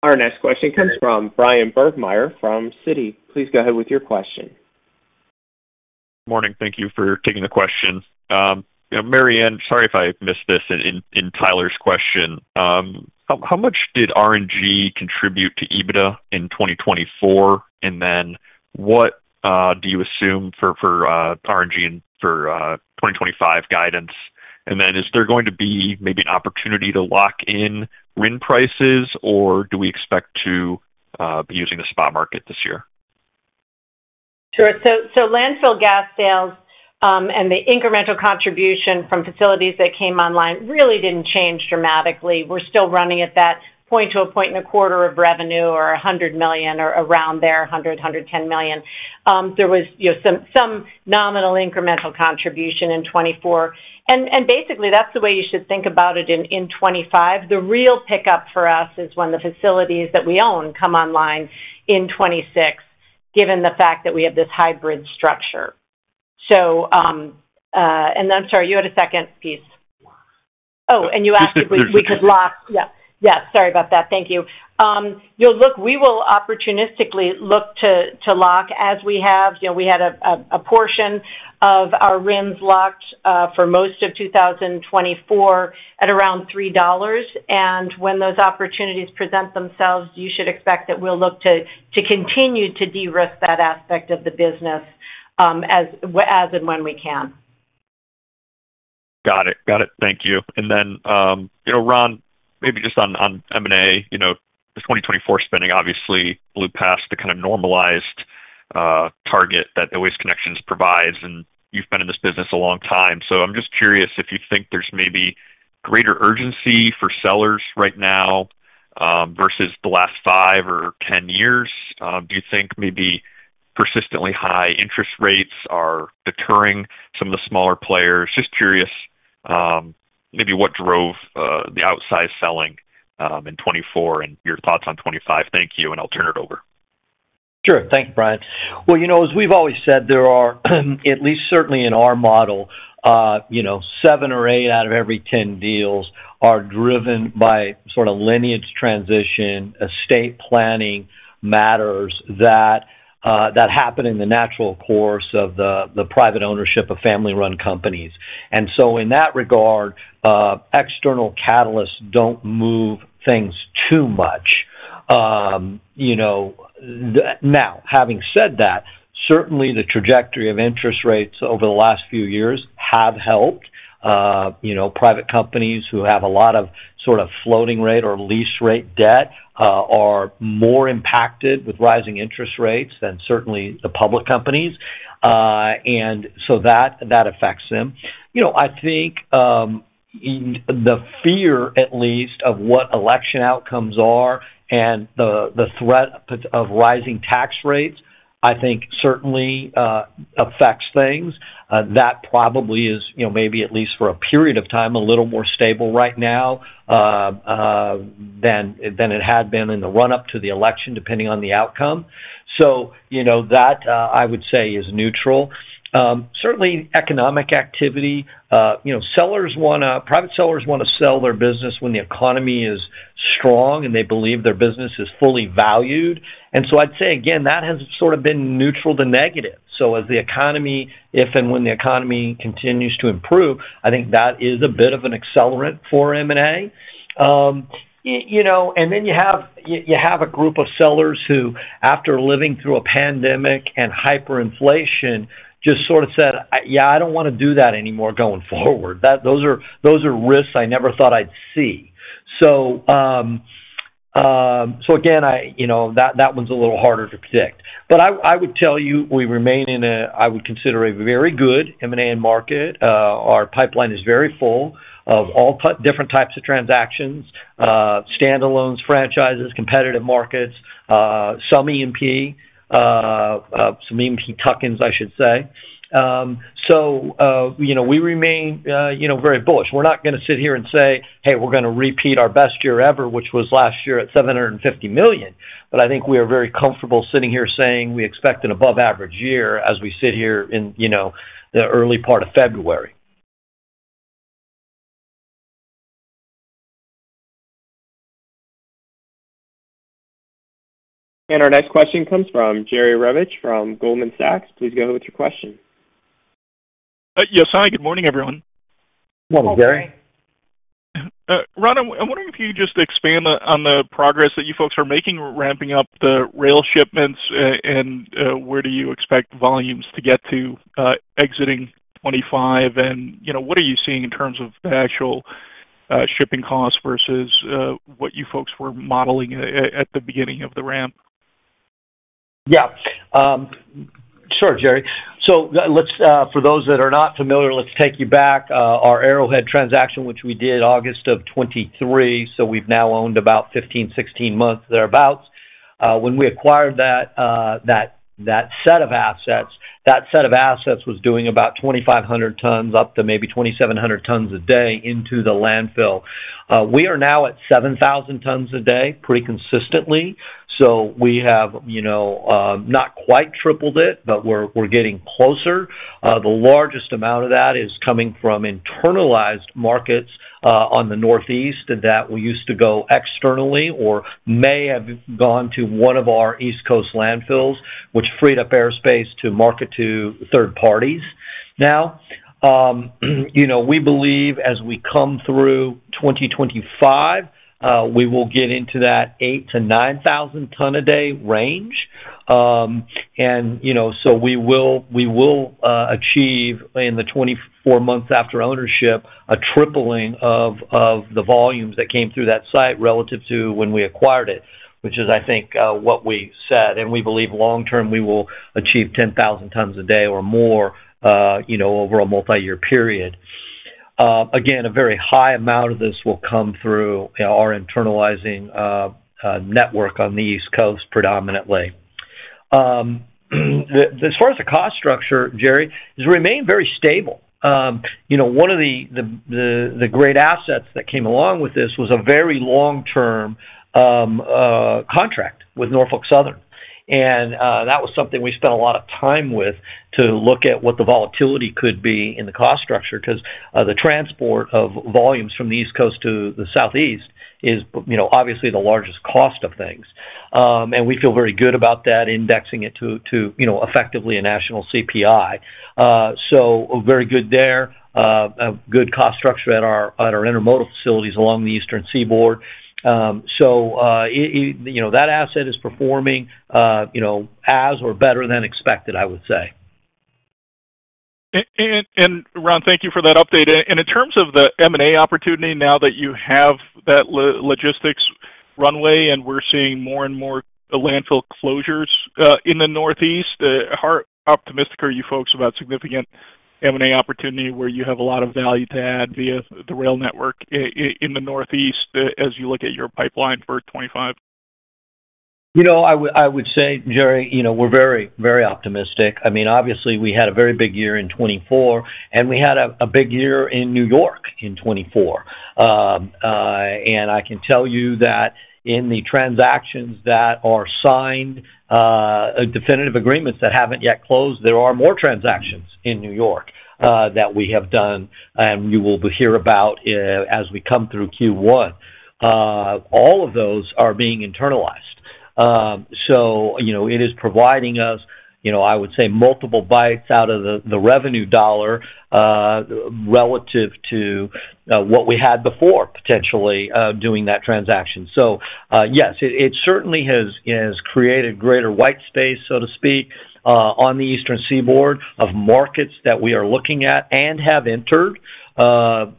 Our next question comes from Bryan Burgmeier from Citi. Please go ahead with your question. Morning. Thank you for taking the question. Mary Anne, sorry if I missed this in Tyler's question. How much did RNG contribute to EBITDA in 2024? And then what do you assume for RNG and for 2025 guidance? And then is there going to be maybe an opportunity to lock in RIN prices, or do we expect to be using the spot market this year? Sure. So landfill gas sales and the incremental contribution from facilities that came online really didn't change dramatically. We're still running at one point to a point and a quarter of revenue or $100 million or around there, $100-$110 million. There was some nominal incremental contribution in 2024. And basically, that's the way you should think about it in 2025. The real pickup for us is when the facilities that we own come online in 2026, given the fact that we have this hybrid structure. So, and I'm sorry, you had a second piece. Oh, and you asked if we could lock. Yes. Yeah. Yes. Sorry about that. Thank you. Look, we will opportunistically look to lock as we have. We had a portion of our RINs locked for most of 2024 at around $3. And when those opportunities present themselves, you should expect that we'll look to continue to de-risk that aspect of the business as and when we can. Got it. Got it. Thank you. And then, Ron, maybe just on M&A, the 2024 spending obviously blew past the kind of normalized target that Waste Connections provides. And you've been in this business a long time. So I'm just curious if you think there's maybe greater urgency for sellers right now versus the last five or 10 years. Do you think maybe persistently high interest rates are deterring some of the smaller players? Just curious maybe what drove the outside selling in 2024 and your thoughts on 2025. Thank you. And I'll turn it over. Sure. Thanks, Bryan. Well, as we've always said, there are at least certainly in our model, seven or eight out of every 10 deals are driven by sort of lineage transition, estate planning matters that happen in the natural course of the private ownership of family-run companies. And so in that regard, external catalysts don't move things too much. Now, having said that, certainly the trajectory of interest rates over the last few years have helped. Private companies who have a lot of sort of floating rate or lease rate debt are more impacted with rising interest rates than certainly the public companies. And so that affects them. I think the fear, at least, of what election outcomes are and the threat of rising tax rates, I think certainly affects things. That probably is maybe at least for a period of time a little more stable right now than it had been in the run-up to the election, depending on the outcome. So that, I would say, is neutral. Certainly, economic activity. Private sellers want to sell their business when the economy is strong and they believe their business is fully valued. And so I'd say, again, that has sort of been neutral to negative. So as the economy, if and when the economy continues to improve, I think that is a bit of an accelerant for M&A. And then you have a group of sellers who, after living through a pandemic and hyperinflation, just sort of said, "Yeah, I don't want to do that anymore going forward." Those are risks I never thought I'd see. So again, that one's a little harder to predict. But I would tell you we remain in a, I would consider, a very good M&A market. Our pipeline is very full of all different types of transactions, standalones, franchises, competitive markets, some E&P, some E&P tuck-ins, I should say. So we remain very bullish. We're not going to sit here and say, "Hey, we're going to repeat our best year ever," which was last year at $750 million. But I think we are very comfortable sitting here saying we expect an above-average year as we sit here in the early part of February. Our next question comes from Jerry Revich from Goldman Sachs. Please go ahead with your question. Yes, hi. Good morning, everyone. Morning, Jerry. Hi, Jerry. Ron, I'm wondering if you could just expand on the progress that you folks are making ramping up the rail shipments, and where do you expect volumes to get to exiting 2025? And what are you seeing in terms of the actual shipping costs versus what you folks were modeling at the beginning of the ramp? Yeah. Sure, Jerry. So for those that are not familiar, let's take you back. Our Arrowhead transaction, which we did August of 2023, so we've now owned about 15, 16 months thereabouts. When we acquired that set of assets, that set of assets was doing about 2,500 tons up to maybe 2,700 tons a day into the landfill. We are now at 7,000 tons a day pretty consistently. So we have not quite tripled it, but we're getting closer. The largest amount of that is coming from internalized markets on the Northeast that we used to go externally or may have gone to one of our East Coast landfills, which freed up airspace to market to third parties. Now, we believe as we come through 2025, we will get into that 8,000-9,000-ton-a-day range. And so we will achieve, in the 24 months after ownership, a tripling of the volumes that came through that site relative to when we acquired it, which is, I think, what we said. And we believe long-term we will achieve 10,000 tons a day or more over a multi-year period. Again, a very high amount of this will come through our internalizing network on the East Coast predominantly. As far as the cost structure, Jerry, it has remained very stable. One of the great assets that came along with this was a very long-term contract with Norfolk Southern. And that was something we spent a lot of time with to look at what the volatility could be in the cost structure because the transport of volumes from the East Coast to the Southeast is obviously the largest cost of things. And we feel very good about that, indexing it to effectively a national CPI. So very good there, good cost structure at our intermodal facilities along the Eastern Seaboard. So that asset is performing as or better than expected, I would say. Ron, thank you for that update. In terms of the M&A opportunity, now that you have that logistics runway and we're seeing more and more landfill closures in the Northeast, how optimistic are you folks about significant M&A opportunity where you have a lot of value to add via the rail network in the Northeast as you look at your pipeline for 2025? I would say, Jerry, we're very, very optimistic. I mean, obviously, we had a very big year in 2024, and we had a big year in New York in 2024. I can tell you that in the transactions that are signed, definitive agreements that haven't yet closed, there are more transactions in New York that we have done, and you will hear about as we come through Q1. All of those are being internalized. So it is providing us, I would say, multiple bites out of the revenue dollar relative to what we had before potentially doing that transaction. So yes, it certainly has created greater white space, so to speak, on the Eastern Seaboard of markets that we are looking at and have entered in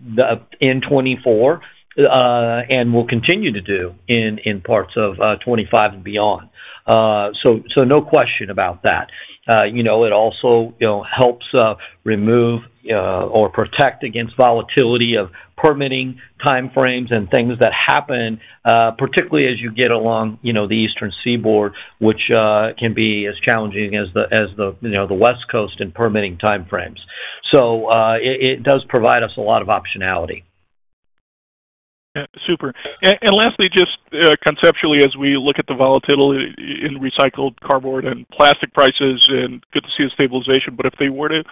2024 and will continue to do in parts of 2025 and beyond. So no question about that. It also helps remove or protect against volatility of permitting timeframes and things that happen, particularly as you get along the Eastern Seaboard, which can be as challenging as the West Coast in permitting timeframes. So it does provide us a lot of optionality. Super. And lastly, just conceptually, as we look at the volatility in recycled cardboard and plastic prices, and good to see the stabilization, but if they were to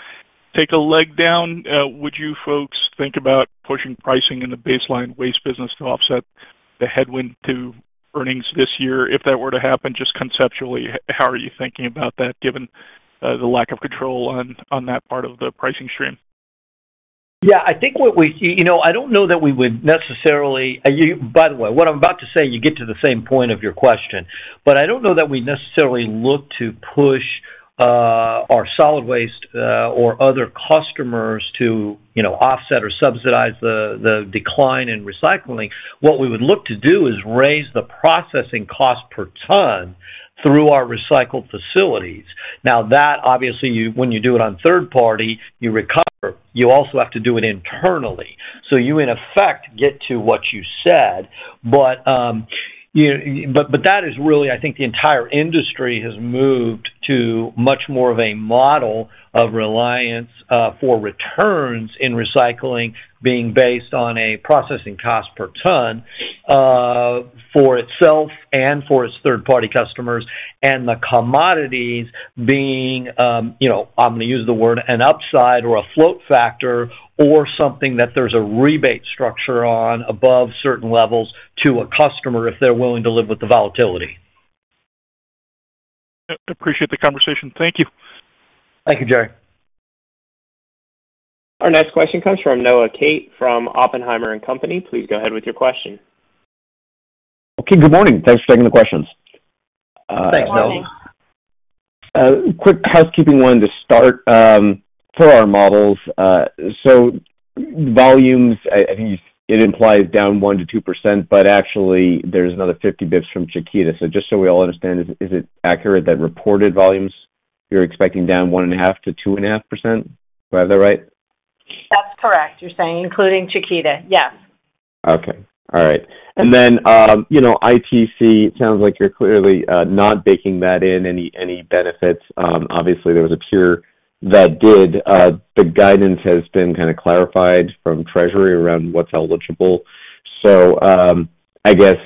take a leg down, would you folks think about pushing pricing in the baseline waste business to offset the headwind to earnings this year? If that were to happen, just conceptually, how are you thinking about that given the lack of control on that part of the pricing stream? Yeah. I think I don't know that we would necessarily. By the way, what I'm about to say, you get to the same point of your question. But I don't know that we necessarily look to push our solid waste or other customers to offset or subsidize the decline in recycling. What we would look to do is raise the processing cost per ton through our recycling facilities. Now, that, obviously, when you do it on third party, you recover. You also have to do it internally. So you, in effect, get to what you said. But that is really, I think, the entire industry has moved to much more of a model of reliance for returns in recycling being based on a processing cost per ton for itself and for its third-party customers and the commodities being, I'm going to use the word, an upside or a float factor or something that there's a rebate structure on above certain levels to a customer if they're willing to live with the volatility. Appreciate the conversation. Thank you. Thank you, Jerry. Our next question comes from Noah Kaye from Oppenheimer & Co. Please go ahead with your question. Okay. Good morning. Thanks for taking the questions. Thanks, Noah. Quick housekeeping one to start for our models. So volumes, I think it implies down 1-2%, but actually, there's another 50 basis points from Chiquita. So just so we all understand, is it accurate that reported volumes, you're expecting down 1.5-2.5%? Do I have that right? That's correct. You're saying including Chiquita? Yes. Okay. All right. And then ITC, it sounds like you're clearly not baking that into any benefits. Obviously, there was a peer that did. The guidance has been kind of clarified from Treasury around what's eligible. So I guess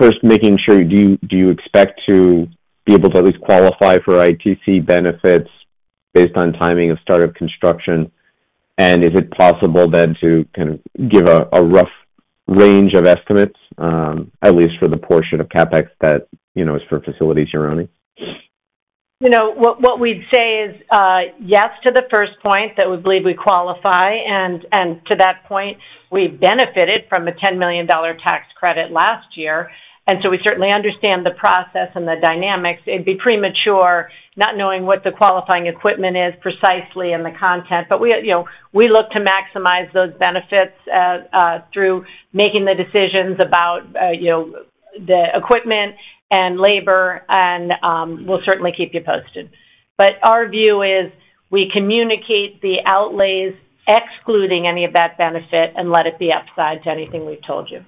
first, making sure, do you expect to be able to at least qualify for ITC benefits based on timing of start of construction? And is it possible then to kind of give a rough range of estimates, at least for the portion of CapEx that is for facilities you're owning? What we'd say is yes to the first point that we believe we qualify. And to that point, we benefited from a $10 million tax credit last year. And so we certainly understand the process and the dynamics. It'd be premature not knowing what the qualifying equipment is precisely and the content. But we look to maximize those benefits through making the decisions about the equipment and labor, and we'll certainly keep you posted. But our view is we communicate the outlays, excluding any of that benefit, and let it be upside to anything we've told you.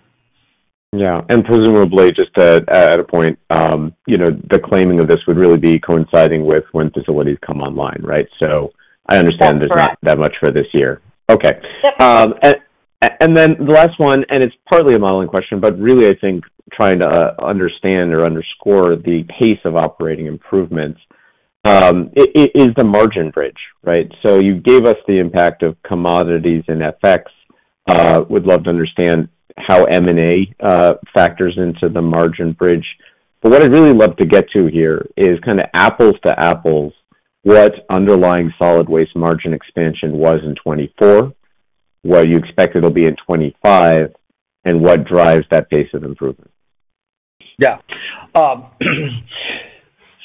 Yeah. And presumably, just to add a point, the claiming of this would really be coinciding with when facilities come online, right? So I understand there's not that much for this year. Okay. And then the last one, and it's partly a modeling question, but really, I think trying to understand or underscore the pace of operating improvements is the margin bridge, right? So you gave us the impact of commodities and FX. Would love to understand how M&A factors into the margin bridge. But what I'd really love to get to here is kind of apples to apples, what underlying solid waste margin expansion was in 2024, what you expect it'll be in 2025, and what drives that pace of improvement. Yeah.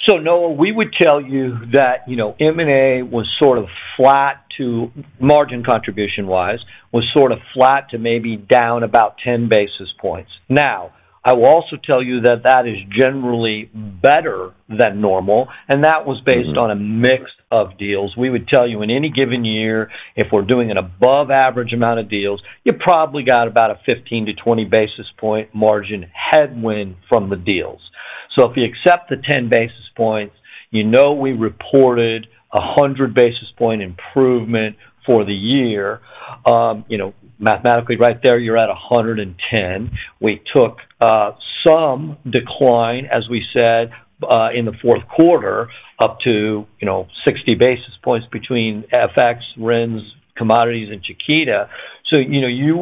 So Noah, we would tell you that M&A was sort of flat to margin contribution-wise, was sort of flat to maybe down about 10 basis points. Now, I will also tell you that that is generally better than normal, and that was based on a mix of deals. We would tell you in any given year, if we're doing an above-average amount of deals, you probably got about a 15 to 20 basis point margin headwind from the deals. So if you accept the 10 basis points, you know we reported a 100 basis point improvement for the year. Mathematically, right there, you're at 110. We took some decline, as we said, in the fourth quarter up to 60 basis points between FX, RINs, commodities, and Chiquita. So, we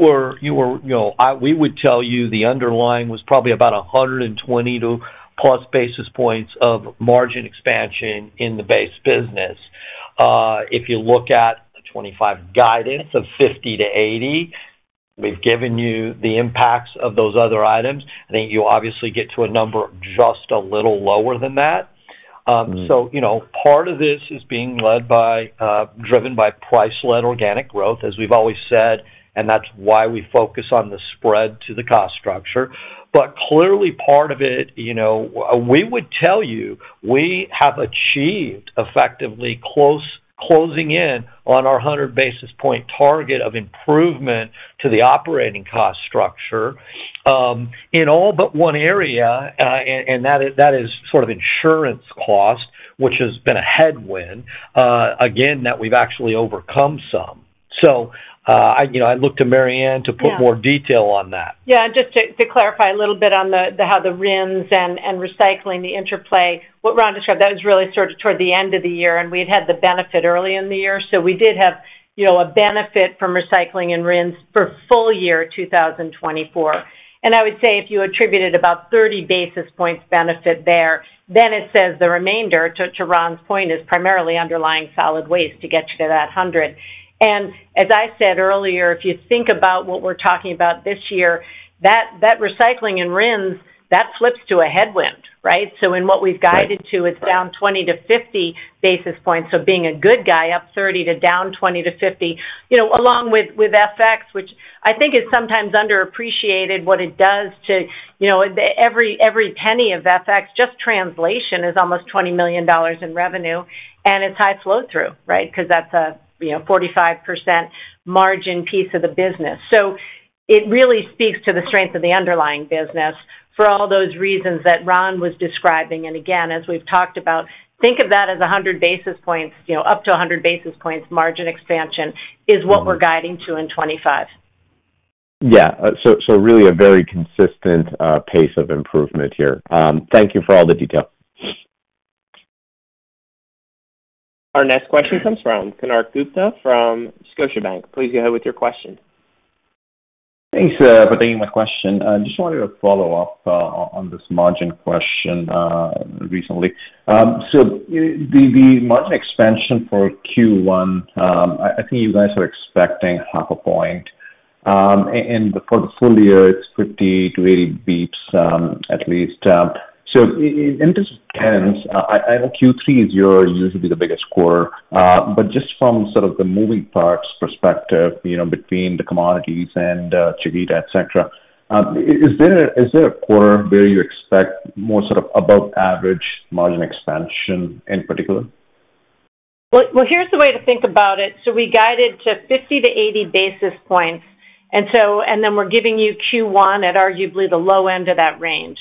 would tell you the underlying was probably about 120 to plus basis points of margin expansion in the base business. If you look at the 2025 guidance of 50 to 80, we've given you the impacts of those other items. I think you obviously get to a number just a little lower than that. Part of this is driven by price-led organic growth, as we've always said, and that's why we focus on the spread to the cost structure. But clearly, part of it, we would tell you we have achieved effectively closing in on our 100 basis point target of improvement to the operating cost structure in all but one area, and that is sort of insurance cost, which has been a headwind, again, that we've actually overcome some. So I look to Mary Anne to put more detail on that. Yeah. And just to clarify a little bit on how the RINs and recycling, the interplay, what Ron described, that was really sort of toward the end of the year, and we had had the benefit early in the year. So we did have a benefit from recycling and RINs for full year 2024. And I would say if you attributed about 30 basis points benefit there, then it says the remainder, to Ron's point, is primarily underlying solid waste to get you to that 100. And as I said earlier, if you think about what we're talking about this year, that recycling and RINs, that flips to a headwind, right? So in what we've guided to, it's down 20 to 50 basis points. So being a good guy, up 30 to down 20 to 50, along with FX, which I think is sometimes underappreciated, what it does to every penny of FX, just translation is almost $20 million in revenue, and it's high flow-through, right? Because that's a 45% margin piece of the business. So it really speaks to the strength of the underlying business for all those reasons that Ron was describing. And again, as we've talked about, think of that as 100 basis points, up to 100 basis points margin expansion is what we're guiding to in 2025. Yeah. So really a very consistent pace of improvement here. Thank you for all the detail. Our next question comes from Konark Gupta from Scotiabank. Please go ahead with your question. Thanks for taking my question. Just wanted to follow up on this margin question recently. So the margin expansion for Q1, I think you guys are expecting half a point. And for the full year, it's 50-80 basis points at least. So in terms of trends, I know Q3 is usually the biggest quarter. But just from sort of the moving parts perspective between the commodities and Chiquita, etc., is there a quarter where you expect more sort of above-average margin expansion in particular? Here's the way to think about it. We guided to 50-80 basis points. Then we're giving you Q1 at arguably the low end of that range.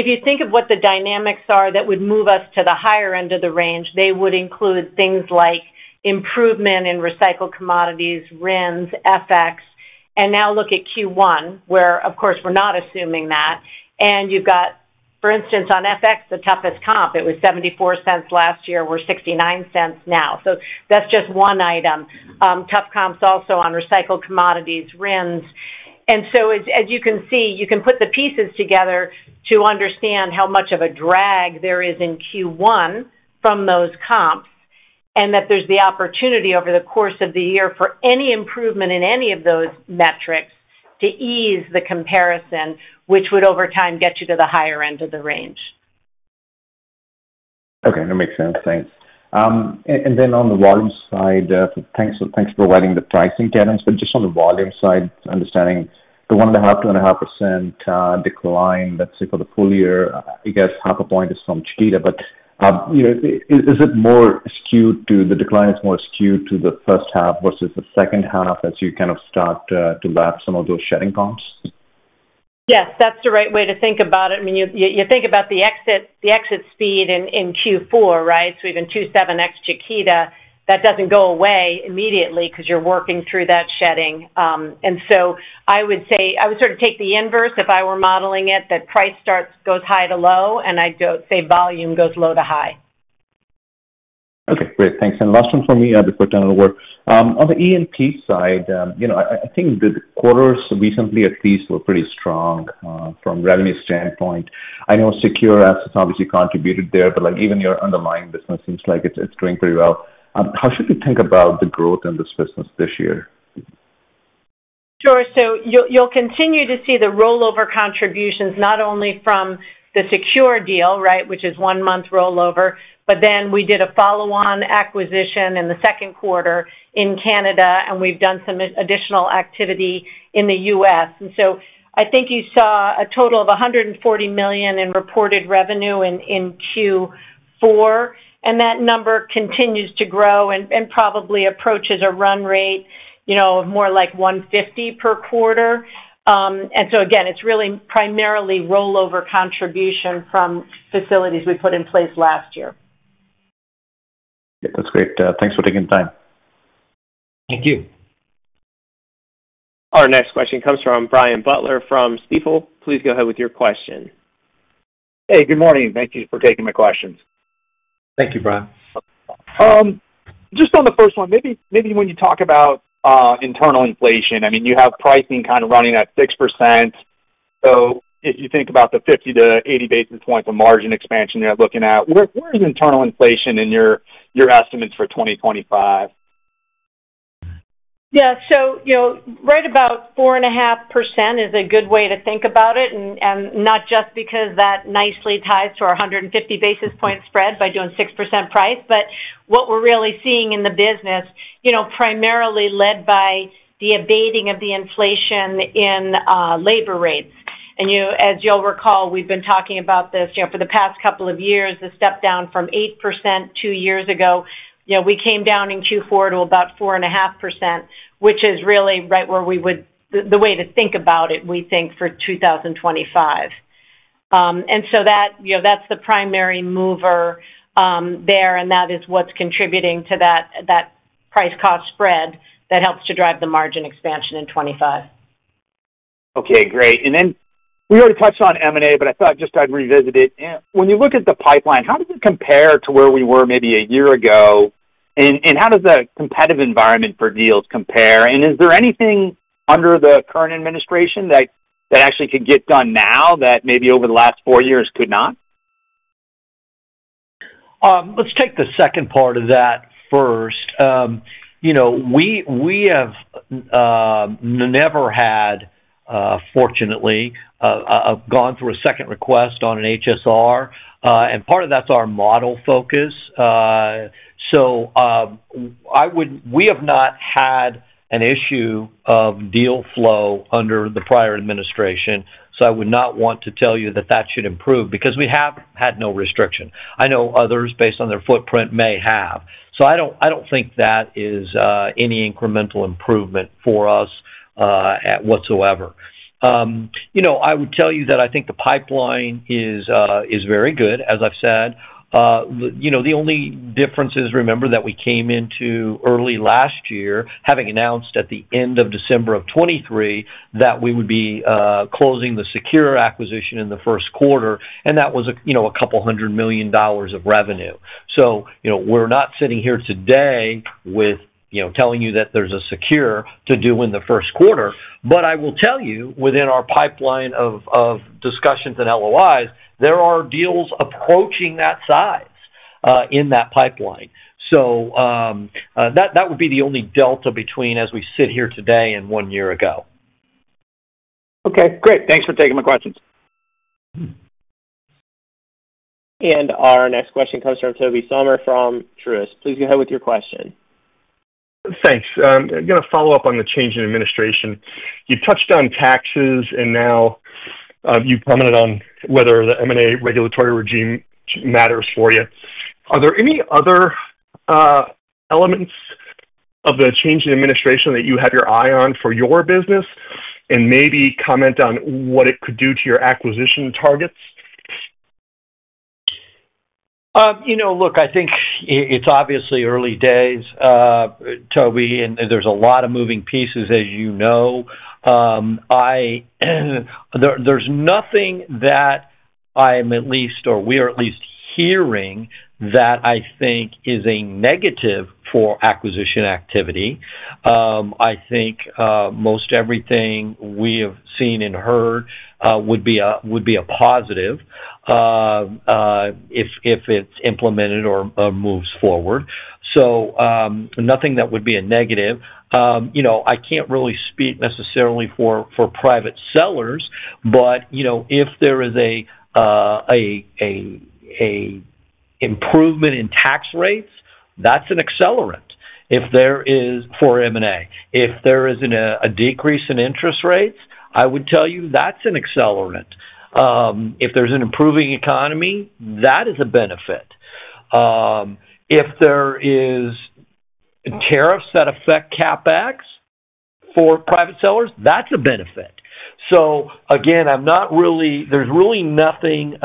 If you think of what the dynamics are that would move us to the higher end of the range, they would include things like improvement in recycled commodities, RINs, FX, and now look at Q1, where, of course, we're not assuming that. You've got, for instance, on FX, the toughest comp. It was $0.74 last year. We're $0.69 now. That's just one item. Tough comps also on recycled commodities, RINs. And so as you can see, you can put the pieces together to understand how much of a drag there is in Q1 from those comps and that there's the opportunity over the course of the year for any improvement in any of those metrics to ease the comparison, which would over time get you to the higher end of the range. Okay. That makes sense. Thanks. And then on the volume side, thanks for providing the pricing guidance. But just on the volume side, understanding the 1.5%-2.5% decline, let's say for the full year, I guess half a point is from Chiquita. But is it more skewed to the decline is more skewed to the first half versus the second half as you kind of start to lapse some of those shedding comps? Yes. That's the right way to think about it. I mean, you think about the exit speed in Q4, right? So even Q1 ex Chiquita, that doesn't go away immediately because you're working through that shedding. And so I would say I would sort of take the inverse if I were modeling it, that price goes high to low, and I'd say volume goes low to high. Okay. Great. Thanks. And last one for me, before I turn it over. On the E&P side, I think the quarters recently at least were pretty strong from revenue standpoint. I know Secure's assets obviously contributed there, but even your underlying business seems like it's doing pretty well. How should we think about the growth in this business this year? Sure. So you'll continue to see the rollover contributions, not only from the Secure deal, right, which is one month rollover, but then we did a follow-on acquisition in the second quarter in Canada, and we've done some additional activity in the U.S. And so I think you saw a total of $140 million in reported revenue in Q4. And that number continues to grow and probably approaches a run rate of more like $150 million per quarter. And so again, it's really primarily rollover contribution from facilities we put in place last year. That's great. Thanks for taking the time. Thank you. Our next question comes from Brian Butler from Stifel. Please go ahead with your question. Hey, good morning. Thank you for taking my questions. Thank you, Brian. Just on the first one, maybe when you talk about internal inflation, I mean, you have pricing kind of running at 6%. So if you think about the 50-80 basis points of margin expansion you're looking at, where is internal inflation in your estimates for 2025? Yeah. So right about 4.5% is a good way to think about it, and not just because that nicely ties to our 150 basis points spread by doing 6% price, but what we're really seeing in the business primarily led by the abating of the inflation in labor rates. And as you'll recall, we've been talking about this for the past couple of years, the step down from 8% two years ago. We came down in Q4 to about 4.5%, which is really right where we would the way to think about it, we think, for 2025. And so that's the primary mover there, and that is what's contributing to that price-cost spread that helps to drive the margin expansion in 2025. Okay. Great. And then we already touched on M&A, but I thought just I'd revisit it. When you look at the pipeline, how does it compare to where we were maybe a year ago, and how does the competitive environment for deals compare? And is there anything under the current administration that actually could get done now that maybe over the last four years could not? Let's take the second part of that first. We have never had, fortunately, gone through a Second Request on an HSR. And part of that's our model focus. So we have not had an issue of deal flow under the prior administration. So I would not want to tell you that that should improve because we have had no restriction. I know others, based on their footprint, may have. So I don't think that is any incremental improvement for us whatsoever. I would tell you that I think the pipeline is very good, as I've said. The only difference is, remember, that we came into early last year, having announced at the end of December of 2023 that we would be closing the Secure acquisition in the first quarter, and that was $200 million of revenue. So, we're not sitting here today telling you that there's a Secure to do in the first quarter. But I will tell you, within our pipeline of discussions and LOIs, there are deals approaching that size in that pipeline. So that would be the only delta between, as we sit here today, and one year ago. Okay. Great. Thanks for taking my questions. Our next question comes from Tobey Sommer from Truist. Please go ahead with your question. Thanks. I'm going to follow up on the change in administration. You touched on taxes, and now you commented on whether the M&A regulatory regime matters for you. Are there any other elements of the change in administration that you have your eye on for your business and maybe comment on what it could do to your acquisition targets? Look, I think it's obviously early days, Tobey, and there's a lot of moving pieces, as you know. There's nothing that I am at least, or we are at least, hearing that I think is a negative for acquisition activity. I think most everything we have seen and heard would be a positive if it's implemented or moves forward. So nothing that would be a negative. I can't really speak necessarily for private sellers, but if there is an improvement in tax rates, that's an accelerant. If there is for M&A, if there is a decrease in interest rates, I would tell you that's an accelerant. If there's an improving economy, that is a benefit. If there are tariffs that affect CapEx for private sellers, that's a benefit. So again, I'm not really. There's really nothing.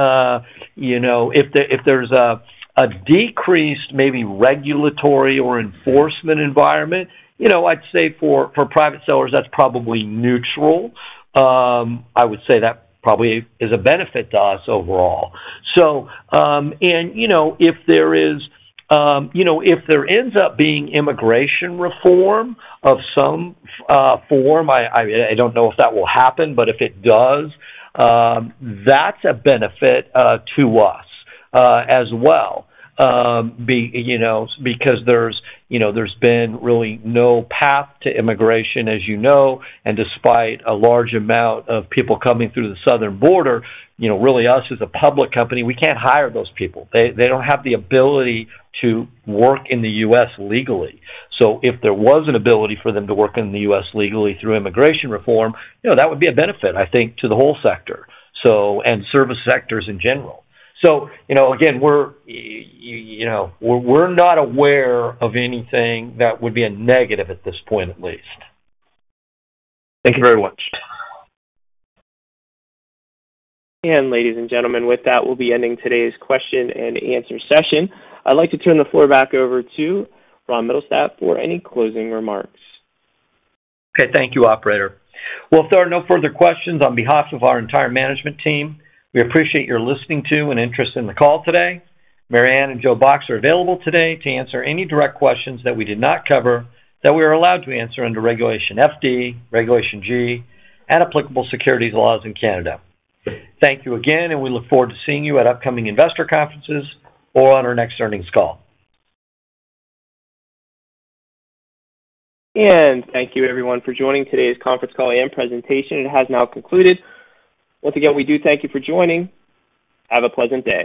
If there's a decreased maybe regulatory or enforcement environment, I'd say for private sellers, that's probably neutral. I would say that probably is a benefit to us overall. And if there ends up being immigration reform of some form, I don't know if that will happen, but if it does, that's a benefit to us as well because there's been really no path to immigration, as you know. And despite a large amount of people coming through the southern border, really, us as a public company, we can't hire those people. They don't have the ability to work in the U.S. legally. So if there was an ability for them to work in the U.S. legally through immigration reform, that would be a benefit, I think, to the whole sector and service sectors in general. Again, we're not aware of anything that would be a negative at this point, at least. Thank you very much. Ladies and gentlemen, with that, we'll be ending today's question and answer session. I'd like to turn the floor back over to Ron Mittelstaedt for any closing remarks. Okay. Thank you, Operator. Well, if there are no further questions on behalf of our entire management team, we appreciate your listening to and interest in the call today. Mary Anne and Joe Box are available today to answer any direct questions that we did not cover that we are allowed to answer under Regulation FD, Regulation G, and applicable securities laws in Canada. Thank you again, and we look forward to seeing you at upcoming investor conferences or on our next earnings call. Thank you, everyone, for joining today's conference call and presentation. It has now concluded. Once again, we do thank you for joining. Have a pleasant day.